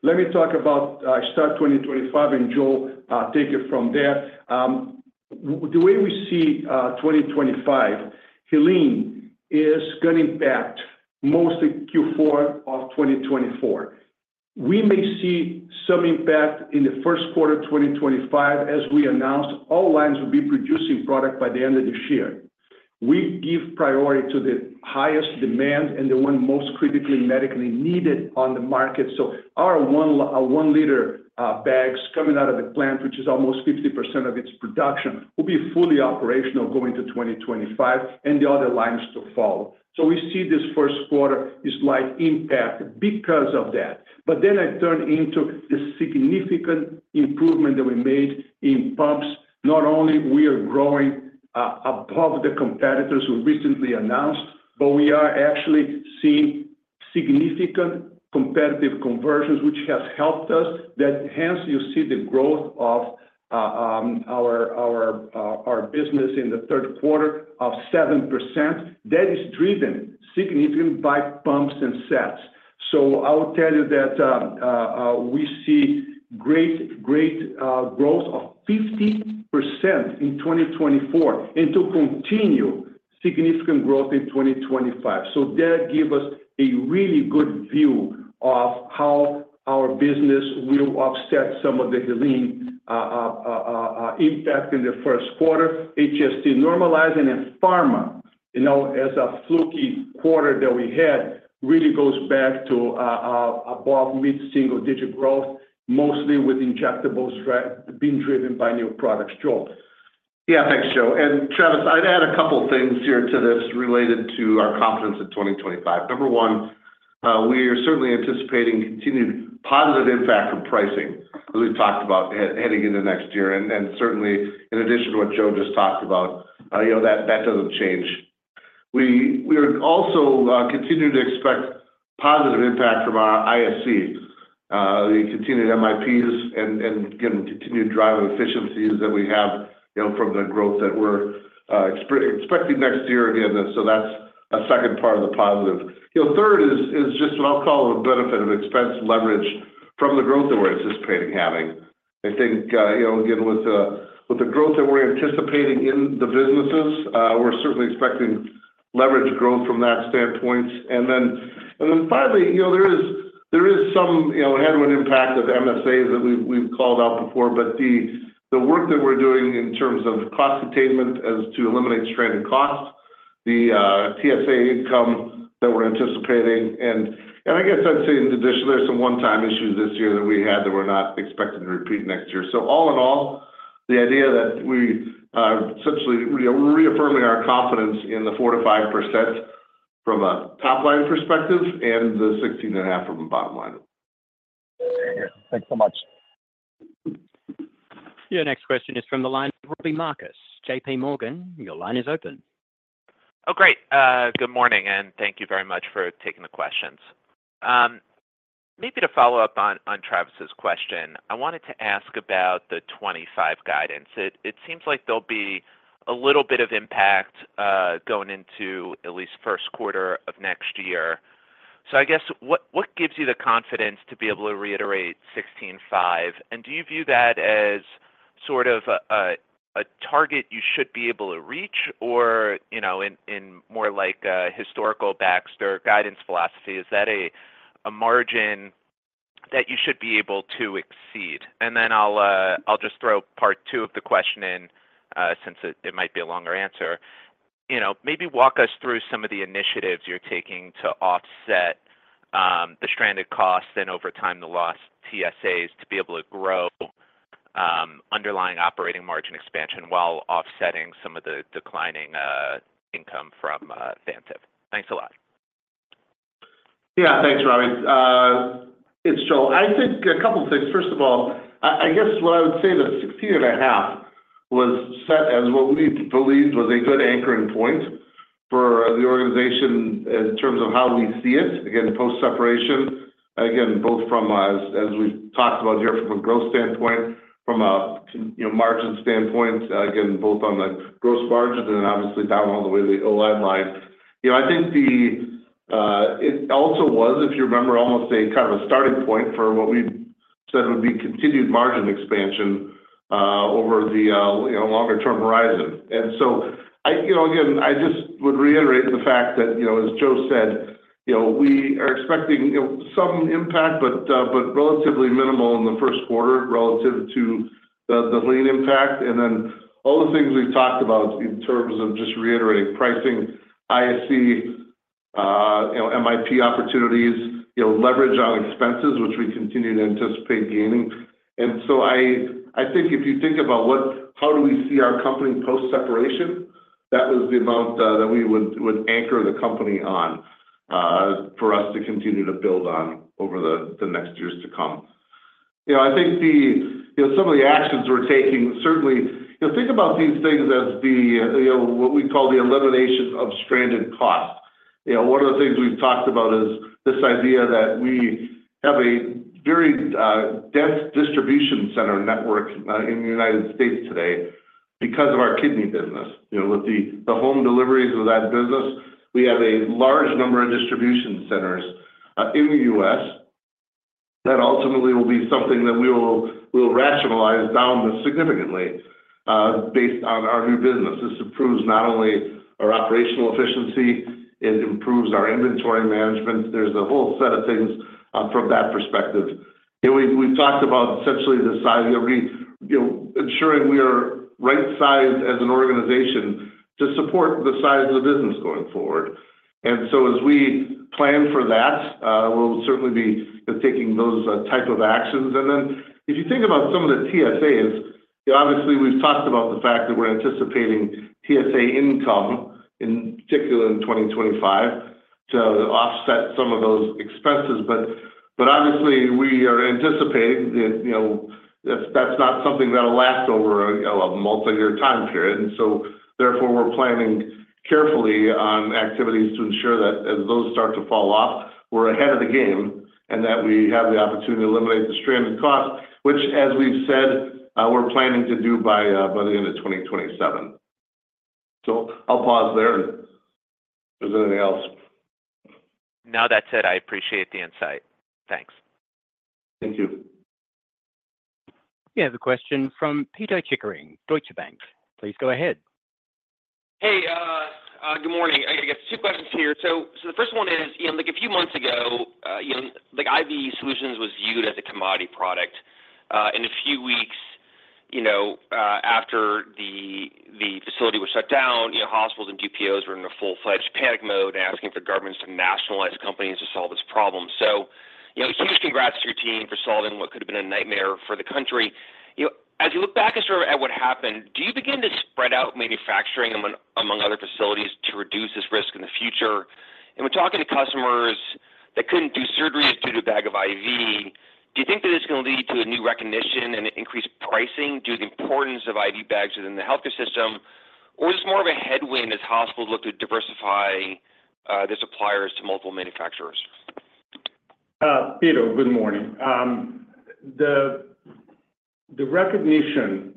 Let me talk about start 2025, and Joe take it from there. The way we see 2025, Helene is going to impact mostly Q4 of 2024. We may see some impact in the first quarter of 2025 as we announced all lines will be producing product by the end of this year. We give priority to the highest demand and the one most critically medically needed on the market. So our one-liter bags coming out of the plant, which is almost 50% of its production, will be fully operational going to 2025, and the other lines to follow. So we see this first quarter is like impact because of that. But then I turn into the significant improvement that we made in pumps. Not only we are growing above the competitors we recently announced, but we are actually seeing significant competitive conversions, which has helped us. That hence you see the growth of our business in the third quarter of 7%. That is driven significantly by pumps and sets. So I will tell you that we see great growth of 50% in 2024 and to continue significant growth in 2025. So that gives us a really good view of how our business will offset some of the Helene impact in the first quarter. HST normalizing and pharma as a fluky quarter that we had really goes back to above mid-single digit growth, mostly with injectables being driven by new products. Joe. Yeah, thanks, Joe. And Travis, I'd add a couple of things here to this related to our confidence in 2025. Number one, we are certainly anticipating continued positive impact from pricing that we've talked about heading into next year. And certainly, in addition to what Joe just talked about, that doesn't change. We are also continuing to expect positive impact from our ISC, continued MIPs, and continued drive of efficiencies that we have from the growth that we're expecting next year again. So that's a second part of the positive. Third is just what I'll call a benefit of expense leverage from the growth that we're anticipating having. I think, again, with the growth that we're anticipating in the businesses, we're certainly expecting leverage growth from that standpoint. And then finally, there is some headwind impact of MSAs that we've called out before, but the work that we're doing in terms of cost actions to eliminate stranded costs, the TSA income that we're anticipating. And I guess I'd say in addition, there's some one-time issues this year that we had that we're not expecting to repeat next year. So all in all, the idea that we are essentially reaffirming our confidence in the 4%-5% from a top line perspective and the 16.5% from a bottom line. Thanks so much. Your next question is from the line of Robbie Marcus. J.P. Morgan, your line is open. Oh, great. Good morning, and thank you very much for taking the questions. Maybe to follow up on Travis's question, I wanted to ask about the 2025 guidance. It seems like there'll be a little bit of impact going into at least first quarter of next year. So I guess, what gives you the confidence to be able to reiterate 16.5%? And do you view that as sort of a target you should be able to reach or in more like a historical Baxter guidance philosophy? Is that a margin that you should be able to exceed? And then I'll just throw part two of the question in since it might be a longer answer. Maybe walk us through some of the initiatives you're taking to offset the stranded costs and over time the lost TSAs to be able to grow underlying operating margin expansion while offsetting some of the declining income from Vantive. Thanks a lot. Yeah, thanks, Robbie. It's Joel. I think a couple of things. First of all, I guess what I would say that 16.5% was set as what we believed was a good anchoring point for the organization in terms of how we see it, again, post-separation, again, both from, as we've talked about here, from a growth standpoint, from a margin standpoint, again, both on the gross margin and then obviously down all the way to the OI line. I think it also was, if you remember, almost a kind of a starting point for what we said would be continued margin expansion over the longer-term horizon. And so, again, I just would reiterate the fact that, as Joe said, we are expecting some impact, but relatively minimal in the first quarter relative to the lean impact. And then all the things we've talked about in terms of just reiterating pricing, ISC, MIP opportunities, leverage on expenses, which we continue to anticipate gaining. And so I think if you think about how do we see our company post-separation, that was the amount that we would anchor the company on for us to continue to build on over the next years to come. I think some of the actions we're taking, certainly, think about these things as what we call the elimination of stranded cost. One of the things we've talked about is this idea that we have a very dense distribution center network in the United States today because of our kidney business. With the home deliveries of that business, we have a large number of distribution centers in the U.S. That ultimately will be something that we will rationalize down significantly based on our new business. This improves not only our operational efficiency, it improves our inventory management. There's a whole set of things from that perspective. We've talked about essentially the size, ensuring we are right-sized as an organization to support the size of the business going forward and so as we plan for that, we'll certainly be taking those types of actions. And then if you think about some of the TSAs, obviously we've talked about the fact that we're anticipating TSA income, in particular in 2025, to offset some of those expenses. But obviously, we are anticipating that that's not something that'll last over a multi-year time period. And so therefore, we're planning carefully on activities to ensure that as those start to fall off, we're ahead of the game and that we have the opportunity to eliminate the stranded cost, which, as we've said, we're planning to do by the end of 2027. So I'll pause there. Is there anything else? Now that said, I appreciate the insight. Thanks. Thank you. We have a question from Pito Chickering, Deutsche Bank. Please go ahead. Hey, good morning. I guess two questions here. So the first one is, a few months ago, IV solutions was viewed as a commodity product. A few weeks after the facility was shut down, hospitals and GPOs were in a full-fledged panic mode asking for governments to nationalize companies to solve this problem. Huge congrats to your team for solving what could have been a nightmare for the country. As you look back at what happened, do you begin to spread out manufacturing among other facilities to reduce this risk in the future? And when talking to customers that couldn't do surgeries due to a lack of IV bags, do you think that it's going to lead to a new recognition and increased pricing due to the importance of IV bags within the healthcare system, or is this more of a headwind as hospitals look to diversify their suppliers to multiple manufacturers? Pito, good morning. The recognition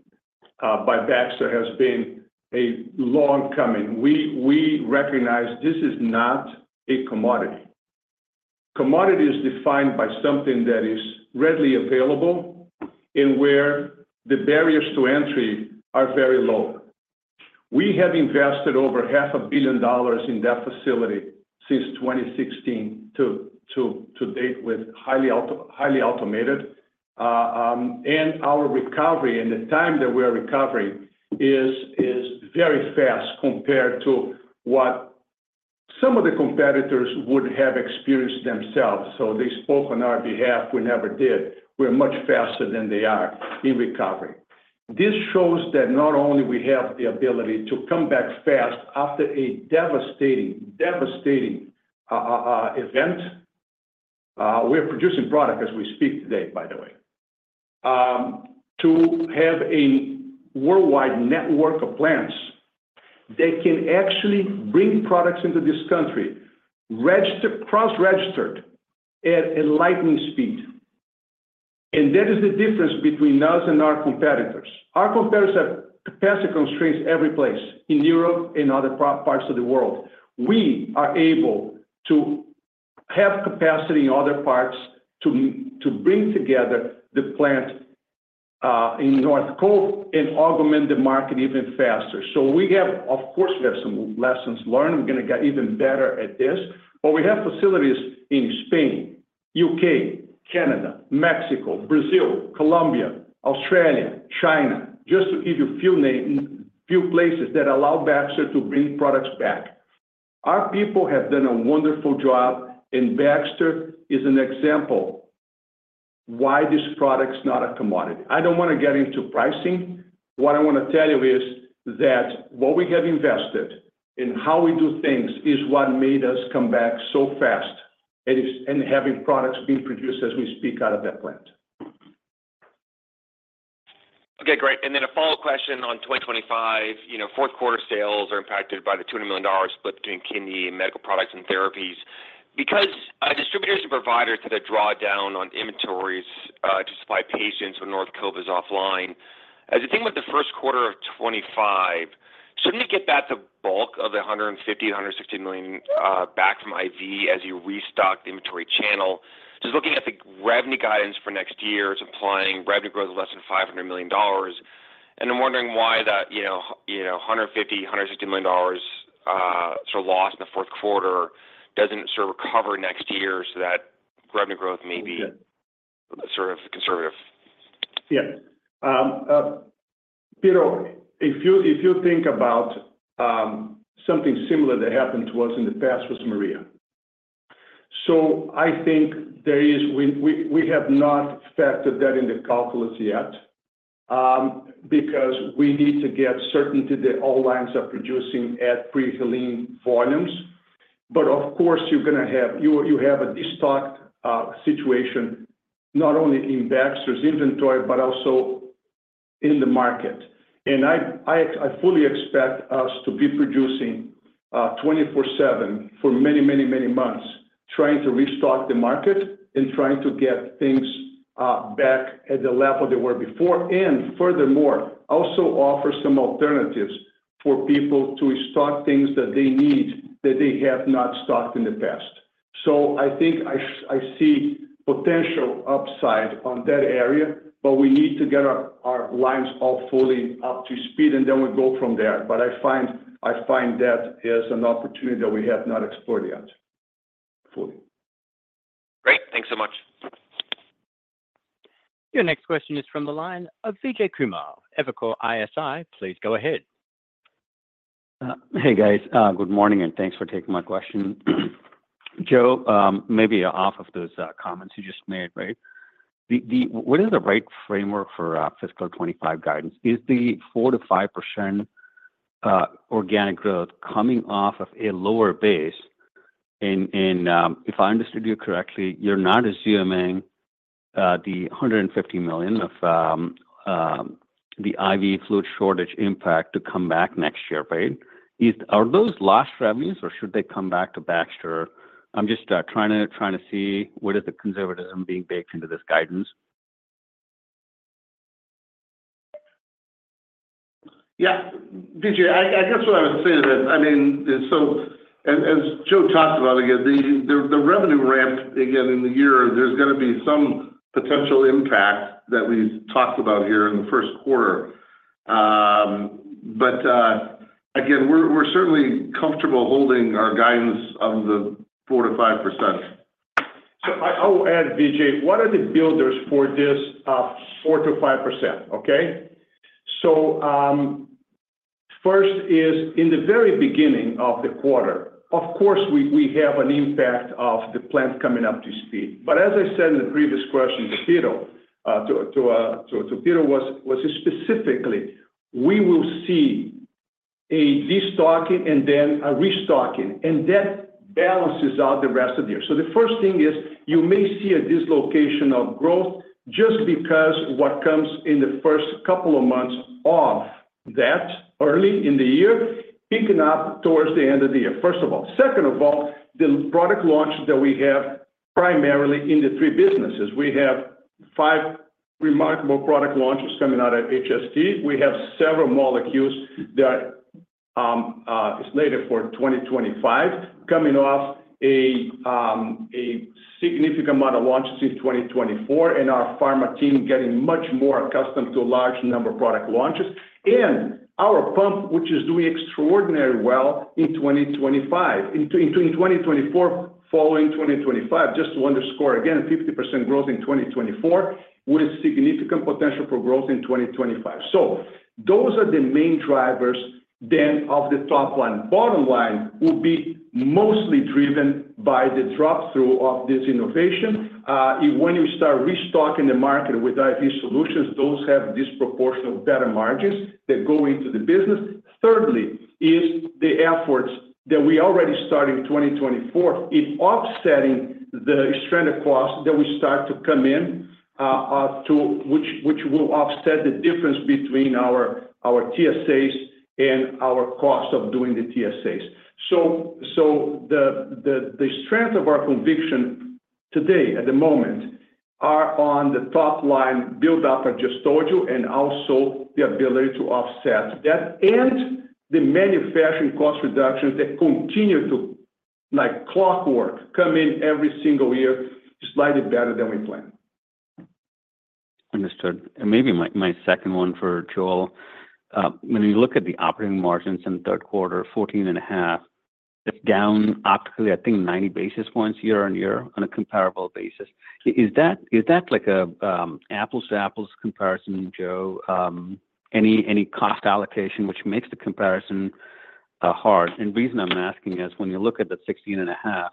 by Baxter has been a long-coming. We recognize this is not a commodity. commodity is defined by something that is readily available and where the barriers to entry are very low. We have invested over $500 million in that facility since 2016 to date with highly automated, and our recovery and the time that we are recovering is very fast compared to what some of the competitors would have experienced themselves, so they spoke on our behalf. We never did. We're much faster than they are in recovery. This shows that not only do we have the ability to come back fast after a devastating, devastating event. We're producing product as we speak today, by the way, to have a worldwide network of plants that can actually bring products into this country, cross-registered at lightning speed, and that is the difference between us and our competitors. Our competitors have capacity constraints every place in Europe and other parts of the world. We are able to have capacity in other parts to bring together the plant in North Cove and augment the market even faster. So we have, of course, we have some lessons learned. We're going to get even better at this. But we have facilities in Spain, U.K., Canada, Mexico, Brazil, Colombia, Australia, China, just to give you a few places that allow Baxter to bring products back. Our people have done a wonderful job, and Baxter is an example why this product is not a commodity. I don't want to get into pricing. What I want to tell you is that what we have invested in how we do things is what made us come back so fast and having products being produced as we speak out of that plant. Okay, great. And then a follow-up question on 2025. Fourth quarter sales are impacted by the $200 million split between kidney and Medical Products and Therapies. Because distributors and providers had a drawdown on inventories to supply patients when North Cove is offline, as you think about the first quarter of 2025, shouldn't we get back the bulk of the $150-$160 million back from IV as you restock the inventory channel? Just looking at the revenue guidance for next year implying revenue growth of less than $500 million. And I'm wondering why that $150-$160 million sort of loss in the fourth quarter doesn't sort of recover next year so that revenue growth may be sort of conservative. Yeah. Pito, if you think about something similar that happened to us in the past with Maria. So I think we have not factored that in the calculus yet because we need to get certainty that all lines are producing at pre-Helene volumes. But of course, you have a destocked situation not only in Baxter's inventory, but also in the market. And I fully expect us to be producing 24/7 for many, many, many months, trying to restock the market and trying to get things back at the level they were before. And furthermore, also offer some alternatives for people to restock things that they need that they have not stocked in the past. So I think I see potential upside on that area, but we need to get our lines all fully up to speed, and then we go from there. But I find that as an opportunity that we have not explored yet fully. Great. Thanks so much. Your next question is from the line of Vijay Kumar, Evercore ISI. Please go ahead. Hey, guys. Good morning, and thanks for taking my question. Joe, maybe off of those comments you just made, right? What is the right framework for fiscal 2025 guidance? Is the 4% to 5% organic growth coming off of a lower base? And if I understood you correctly, you're not assuming the $150 million of the IV fluid shortage impact to come back next year, right? Are those lost revenues, or should they come back to Baxter? I'm just trying to see what is the conservatism being baked into this guidance. Yeah. Vijay, I guess what I would say is that, I mean, so as Joe talked about, again, the revenue ramp, again, in the year, there's going to be some potential impact that we talked about here in the first quarter. But again, we're certainly comfortable holding our guidance on the 4%-5%. So I'll add, Vijay, what are the builders for this 4%-5%, okay? So first is in the very beginning of the quarter, of course, we have an impact of the plant coming up to speed. But as I said in the previous question to Pito, was specifically, we will see a destocking and then a restocking, and that balances out the rest of the year. So the first thing is you may see a dislocation of growth just because what comes in the first couple of months of that early in the year, picking up towards the end of the year, first of all. Second of all, the product launch that we have primarily in the three businesses. We have five remarkable product launches coming out of HST. We have several molecules that are slated for 2025, coming off a significant amount of launches in 2024, and our pharma team getting much more accustomed to a large number of product launches, and our pump, which is doing extraordinarily well in 2024, following 2025, just to underscore again, 50% growth in 2024 with significant potential for growth in 2025, so those are the main drivers then of the top line. Bottom line will be mostly driven by the drop-through of this innovation. When you start restocking the market with IV solutions, those have disproportionately better margins that go into the business. Thirdly, is the efforts that we already started in 2024 in offsetting the stranded cost that we start to come in, which will offset the difference between our TSAs and our cost of doing the TSAs. So the strength of our conviction today at the moment are on the top line build-up I just told you, and also the ability to offset that and the manufacturing cost reductions that continue to, like clockwork, come in every single year slightly better than we planned. Understood. And maybe my second one for Joel. When you look at the operating margins in the third quarter, 14 and a half, it's down optically, I think, 90 basis points year on year on a comparable basis. Is that like an apples-to-apples comparison, Joe? Any cost allocation which makes the comparison hard? And the reason I'm asking is when you look at the 16 and a half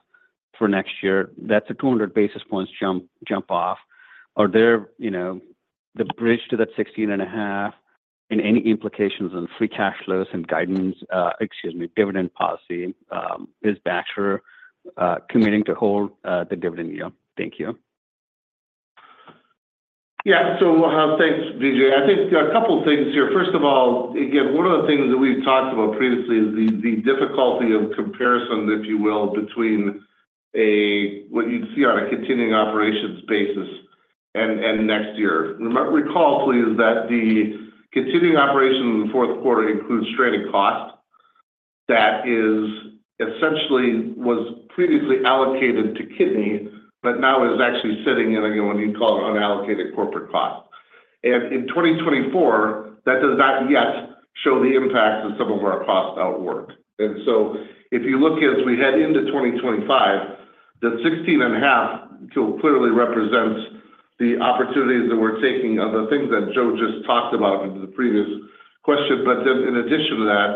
for next year, that's a 200 basis points jump off. Are there the bridge to that 16 and a half and any implications on free cash flows and guidance, excuse me, dividend policy? Is Baxter committing to hold the dividend yield? Thank you. Yeah, so thanks, Vijay. I think there are a couple of things here. First of all, again, one of the things that we've talked about previously is the difficulty of comparison, if you will, between what you'd see on a continuing operations basis and next year. Recall, please, that the continuing operations in the fourth quarter includes stranded cost that essentially was previously allocated to kidney, but now is actually sitting in, again, what you'd call unallocated corporate cost, and in 2024, that does not yet show the impact of some of our cost outwork, and so if you look as we head into 2025, the 16 and a half clearly represents the opportunities that we're taking of the things that Joe just talked about in the previous question. But then, in addition to that,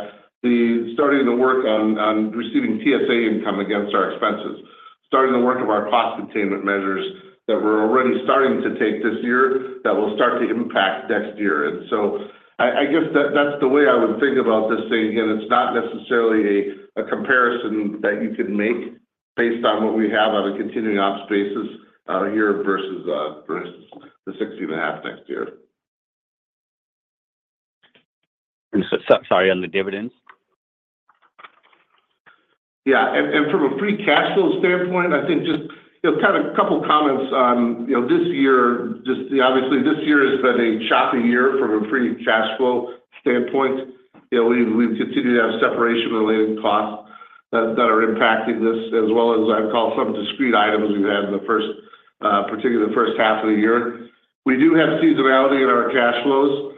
starting to work on receiving TSA income against our expenses, starting to work on our cost containment measures that we're already starting to take this year that will start to impact next year. And so I guess that's the way I would think about this thing. Again, it's not necessarily a comparison that you could make based on what we have on a continuing ops basis here versus the 16 and a half next year. Sorry, on the dividends? Yeah. And from a free cash flow standpoint, I think just kind of a couple of comments on this year. Just obviously, this year has been a choppy year from a free cash flow standpoint. We've continued to have separation-related costs that are impacting this, as well as I'd call some discrete items we've had in the first, particularly the first half of the year. We do have seasonality in our cash flows.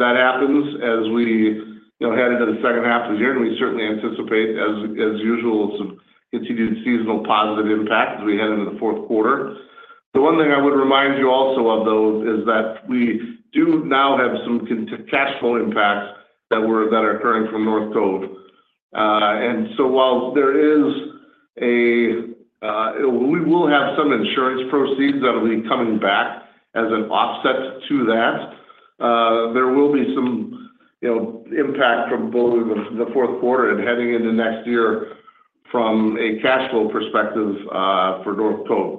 That happens as we head into the second half of the year, and we certainly anticipate, as usual, some continued seasonal positive impact as we head into the fourth quarter. The one thing I would remind you also of, though, is that we do now have some cash flow impacts that are occurring from North Cove. And so while there is, we will have some insurance proceeds that will be coming back as an offset to that. There will be some impact from both the fourth quarter and heading into next year from a cash flow perspective for North Cove.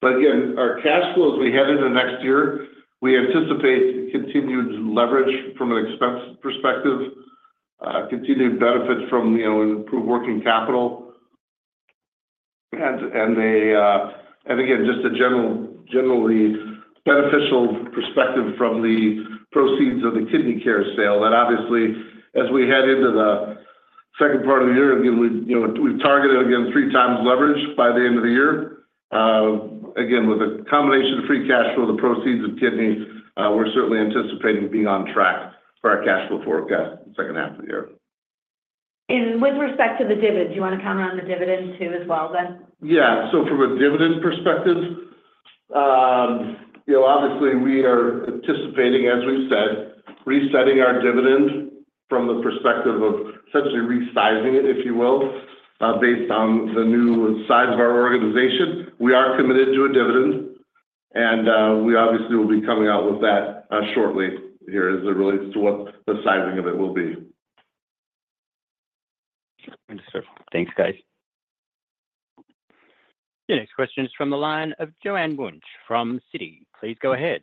But again, our cash flow as we head into next year, we anticipate continued leverage from an expense perspective, continued benefits from improved working capital. And again, just a generally beneficial perspective from the proceeds of the kidney Care sale. That obviously, as we head into the second part of the year, again, we've targeted again three times leverage by the end of the year. Again, with a combination of free cash flow, the proceeds of kidney, we're certainly anticipating being on track for our cash flow forecast in the second half of the year. And with respect to the dividend, do you want to comment on the dividend too as well then? Yeah. So from a dividend perspective, obviously, we are anticipating, as we said, resetting our dividend from the perspective of essentially resizing it, if you will, based on the new size of our organization. We are committed to a dividend, and we obviously will be coming out with that shortly here as it relates to what the sizing of it will be. Understood. Thanks, guys. Your next question is from the line of Joanne Wuensch from Citi. Please go ahead.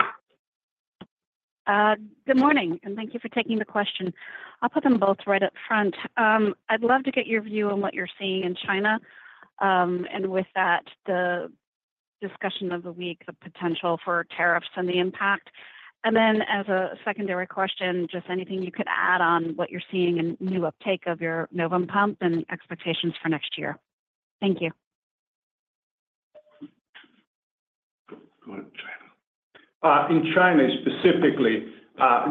Good morning, and thank you for taking the question. I'll put them both right up front. I'd love to get your view on what you're seeing in China and with that, the discussion of the week, the potential for tariffs and the impact. And then as a secondary question, just anything you could add on what you're seeing in new uptake of your Novum pump and expectations for next year. Thank you. In China specifically,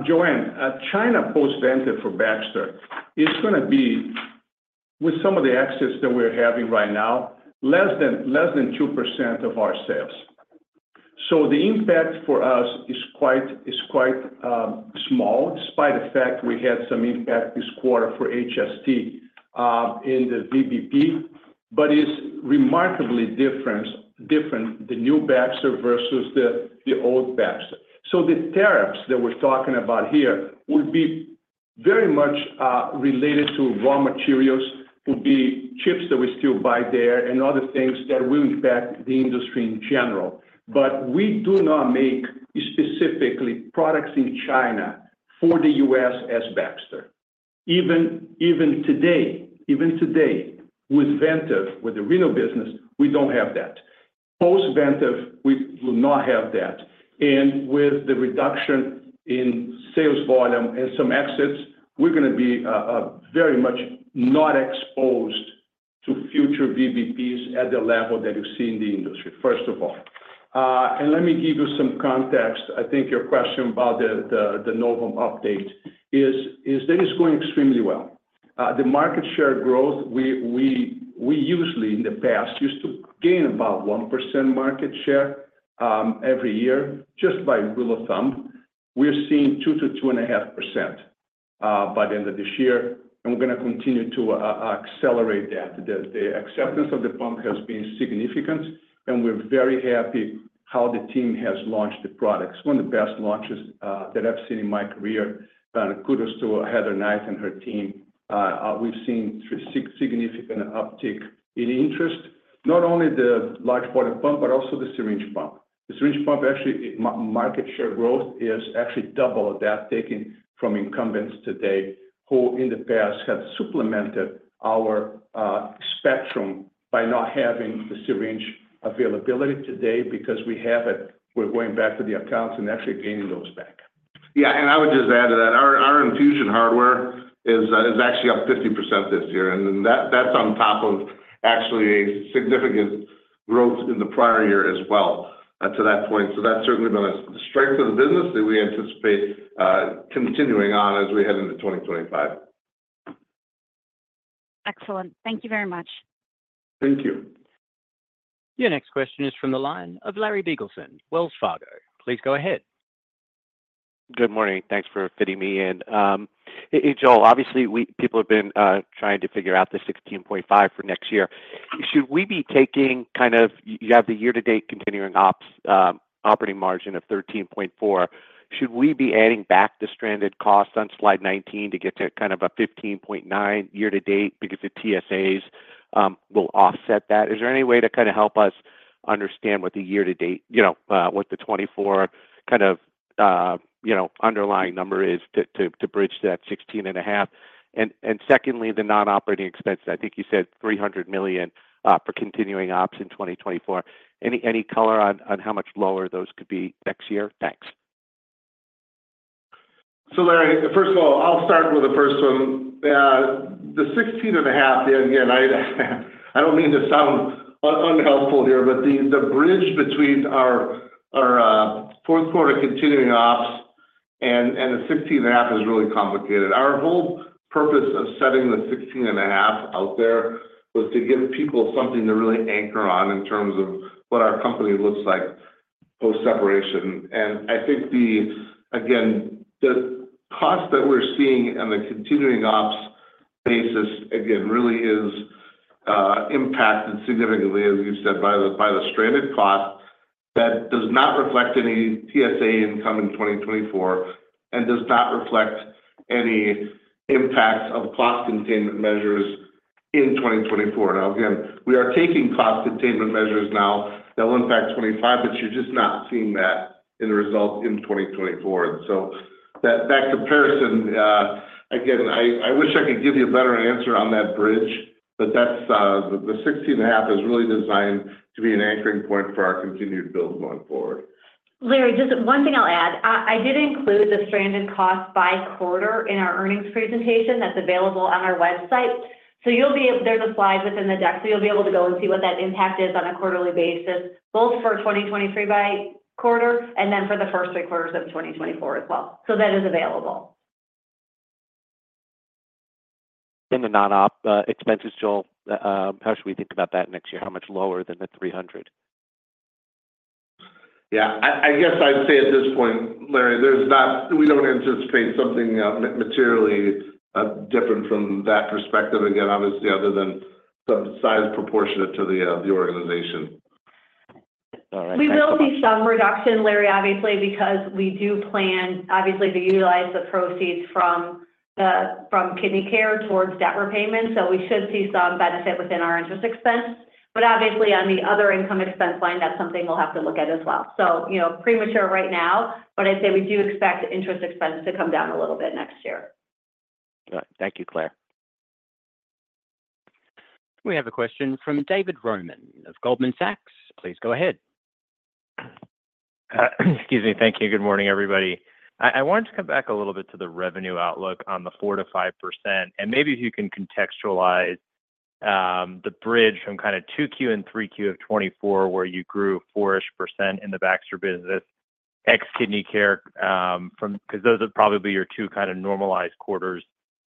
Joanne, China post-VBP for Baxter is going to be, with some of the excess that we're having right now, less than 2% of our sales. So the impact for us is quite small, despite the fact we had some impact this quarter for HST in the VBP. But it's remarkably different than new Baxter versus the old Baxter. So the tariffs that we're talking about here would be very much related to raw materials, would be chips that we still buy there, and other things that will impact the industry in general. But we do not make specifically products in China for the U.S. as Baxter. Even today, with Vantive, with the renal business, we don't have that. Post-Vantive, we will not have that. And with the reduction in sales volume and some exits, we're going to be very much not exposed to future VBPs at the level that you see in the industry, first of all, and let me give you some context. I think your question about the Novum update is that it's going extremely well. The market share growth, we usually in the past used to gain about 1% market share every year, just by rule of thumb. We're seeing 2%-2.5% by the end of this year, and we're going to continue to accelerate that. The acceptance of the pump has been significant, and we're very happy how the team has launched the products. One of the best launches that I've seen in my career. Kudos to Heather Knight and her team. We've seen significant uptake in interest, not only the large volume pump, but also the syringe pump. The syringe pump, actually, market share growth is actually double that taken from incumbents today who in the past have supplemented our Spectrum by not having the syringe availability today because we have it. We're going back to the accounts and actually gaining those back. Yeah. And I would just add to that, our infusion hardware is actually up 50% this year. And that's on top of actually a significant growth in the prior year as well to that point. So that's certainly been a strength of the business that we anticipate continuing on as we head into 2025. Excellent. Thank you very much. Thank you. Your next question is from the line of Larry Biegelsen, Wells Fargo. Please go ahead. Good morning. Thanks for fitting me in. Joel, obviously, people have been trying to figure out the 16.5 for next year. Should we be taking kind of you have the year-to-date continuing operating margin of 13.4. Should we be adding back the stranded costs on slide 19 to get to kind of a 15.9 year-to-date because the TSAs will offset that? Is there any way to kind of help us understand what the year-to-date, what the 2024 kind of underlying number is to bridge to that 16.5? And secondly, the non-operating expenses, I think you said $300 million for continuing ops in 2024. Any color on how much lower those could be next year? Thanks. So Larry, first of all, I'll start with the first one. The 16.5, again, I don't mean to sound unhelpful here, but the bridge between our fourth quarter continuing ops and the 16.5 is really complicated. Our whole purpose of setting the 16.5 out there was to give people something to really anchor on in terms of what our company looks like post-separation. I think, again, the cost that we're seeing on the continuing ops basis, again, really is impacted significantly, as you've said, by the stranded cost that does not reflect any TSA income in 2024 and does not reflect any impact of cost containment measures in 2024. Now, again, we are taking cost containment measures now that will impact 2025, but you're just not seeing that in the result in 2024. So that comparison, again, I wish I could give you a better answer on that bridge, but the 16.5 is really designed to be an anchoring point for our continued build going forward. Larry, one thing I'll add. I did include the stranded cost by quarter in our earnings presentation. That's available on our website. So there's a slide within the deck, so you'll be able to go and see what that impact is on a quarterly basis, both for 2023 by quarter and then for the first three quarters of 2024 as well. So that is available. And the non-op expenses, Joel, how should we think about that next year? How much lower than the 300? Yeah. I guess I'd say at this point, Larry, we don't anticipate something materially different from that perspective, again, obviously, other than some size proportionate to the organization. We will see some reduction, Larry, obviously, because we do plan, obviously, to utilize the proceeds from Kidney Care towards debt repayment. So we should see some benefit within our interest expense. But obviously, on the other income expense line, that's something we'll have to look at as well. So premature right now, but I'd say we do expect interest expense to come down a little bit next year. All right. Thank you, Clare. We have a question from David Roman of Goldman Sachs. Please go ahead. Excuse me. Thank you. Good morning, everybody. I wanted to come back a little bit to the revenue outlook on the 4% to 5%, and maybe if you can contextualize the bridge from kind of 2Q and 3Q of 2024, where you grew 4-ish% in the Baxter business, ex-kidney care, because those would probably be your two kind of normalized quarters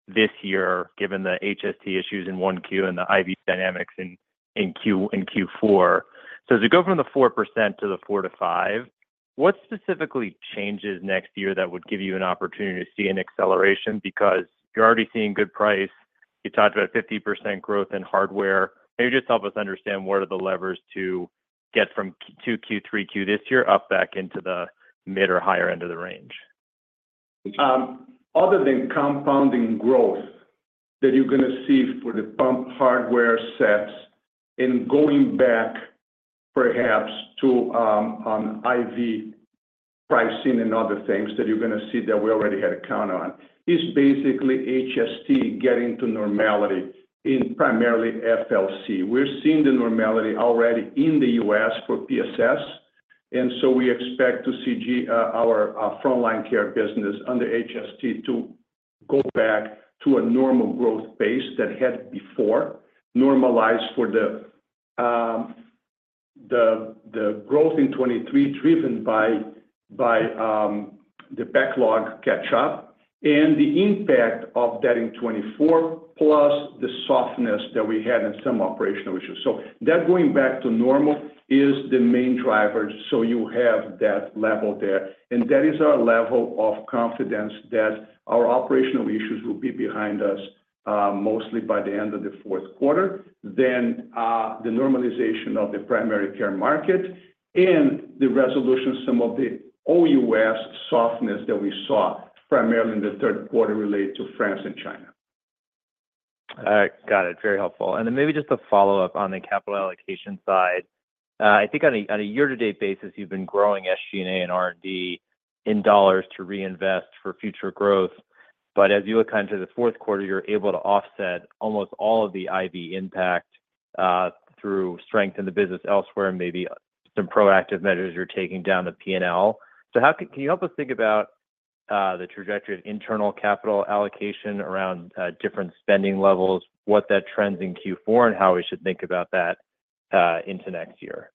this year, given the HST issues in 1Q and the IV dynamics in Q4. So as we go from the 4% to the 4% to 5%, what specifically changes next year that would give you an opportunity to see an acceleration? Because you're already seeing good price. You talked about 50% growth in hardware. Maybe just help us understand what are the levers to get from 2Q, 3Q this year up back into the mid or higher end of the range? Other than compounding growth that you're going to see for the pump hardware sets and going back perhaps to IV pricing and other things that you're going to see that we already had a count on, is basically HST getting to normality in primarily FLC. We're seeing the normality already in the U.S. for PSS. And so we expect to see our frontline care business under HST to go back to a normal growth pace that had before, normalized for the growth in 2023 driven by the backlog catch-up and the impact of that in 2024, plus the softness that we had in some operational issues. So that going back to normal is the main driver. So you have that level there. And that is our level of confidence that our operational issues will be behind us mostly by the end of the fourth quarter, then the normalization of the primary care market, and the resolution of some of the OUS softness that we saw primarily in the third quarter related to France and China. Got it. Very helpful. And then maybe just a follow-up on the capital allocation side. I think on a year-to-date basis, you've been growing SG&A and R&D in dollars to reinvest for future growth. But as you look kind of to the fourth quarter, you're able to offset almost all of the IV impact through strength in the business elsewhere, maybe some proactive measures you're taking down the P&L. So can you help us think about the trajectory of internal capital allocation around different spending levels, what that trend's in Q4, and how we should think about that into next year?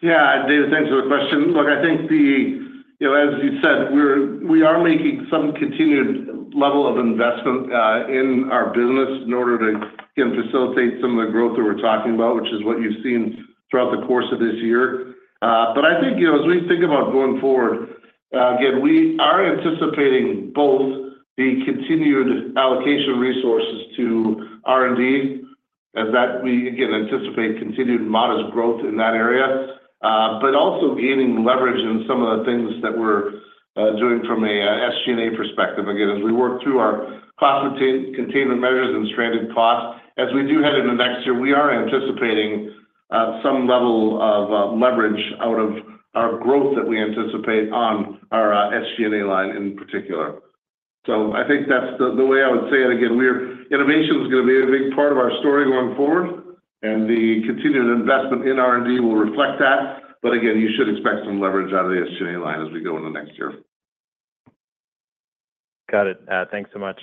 Yeah. David, thanks for the question. Look, I think, as you said, we are making some continued level of investment in our business in order to, again, facilitate some of the growth that we're talking about, which is what you've seen throughout the course of this year. But I think as we think about going forward, again, we are anticipating both the continued allocation resources to R&D, as that we, again, anticipate continued modest growth in that area, but also gaining leverage in some of the things that we're doing from an SG&A perspective. Again, as we work through our cost containment measures and stranded costs, as we do head into next year, we are anticipating some level of leverage out of our growth that we anticipate on our SG&A line in particular. So I think that's the way I would say it. Again, innovation is going to be a big part of our story going forward, and the continued investment in R&D will reflect that. But again, you should expect some leverage out of the SG&A line as we go into next year. Got it. Thanks so much.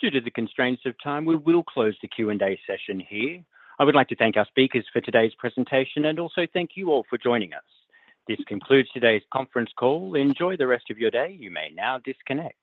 Due to the constraints of time, we will close the Q&A session here. I would like to thank our speakers for today's presentation and also thank you all for joining us. This concludes today's conference call. Enjoy the rest of your day. You may now disconnect.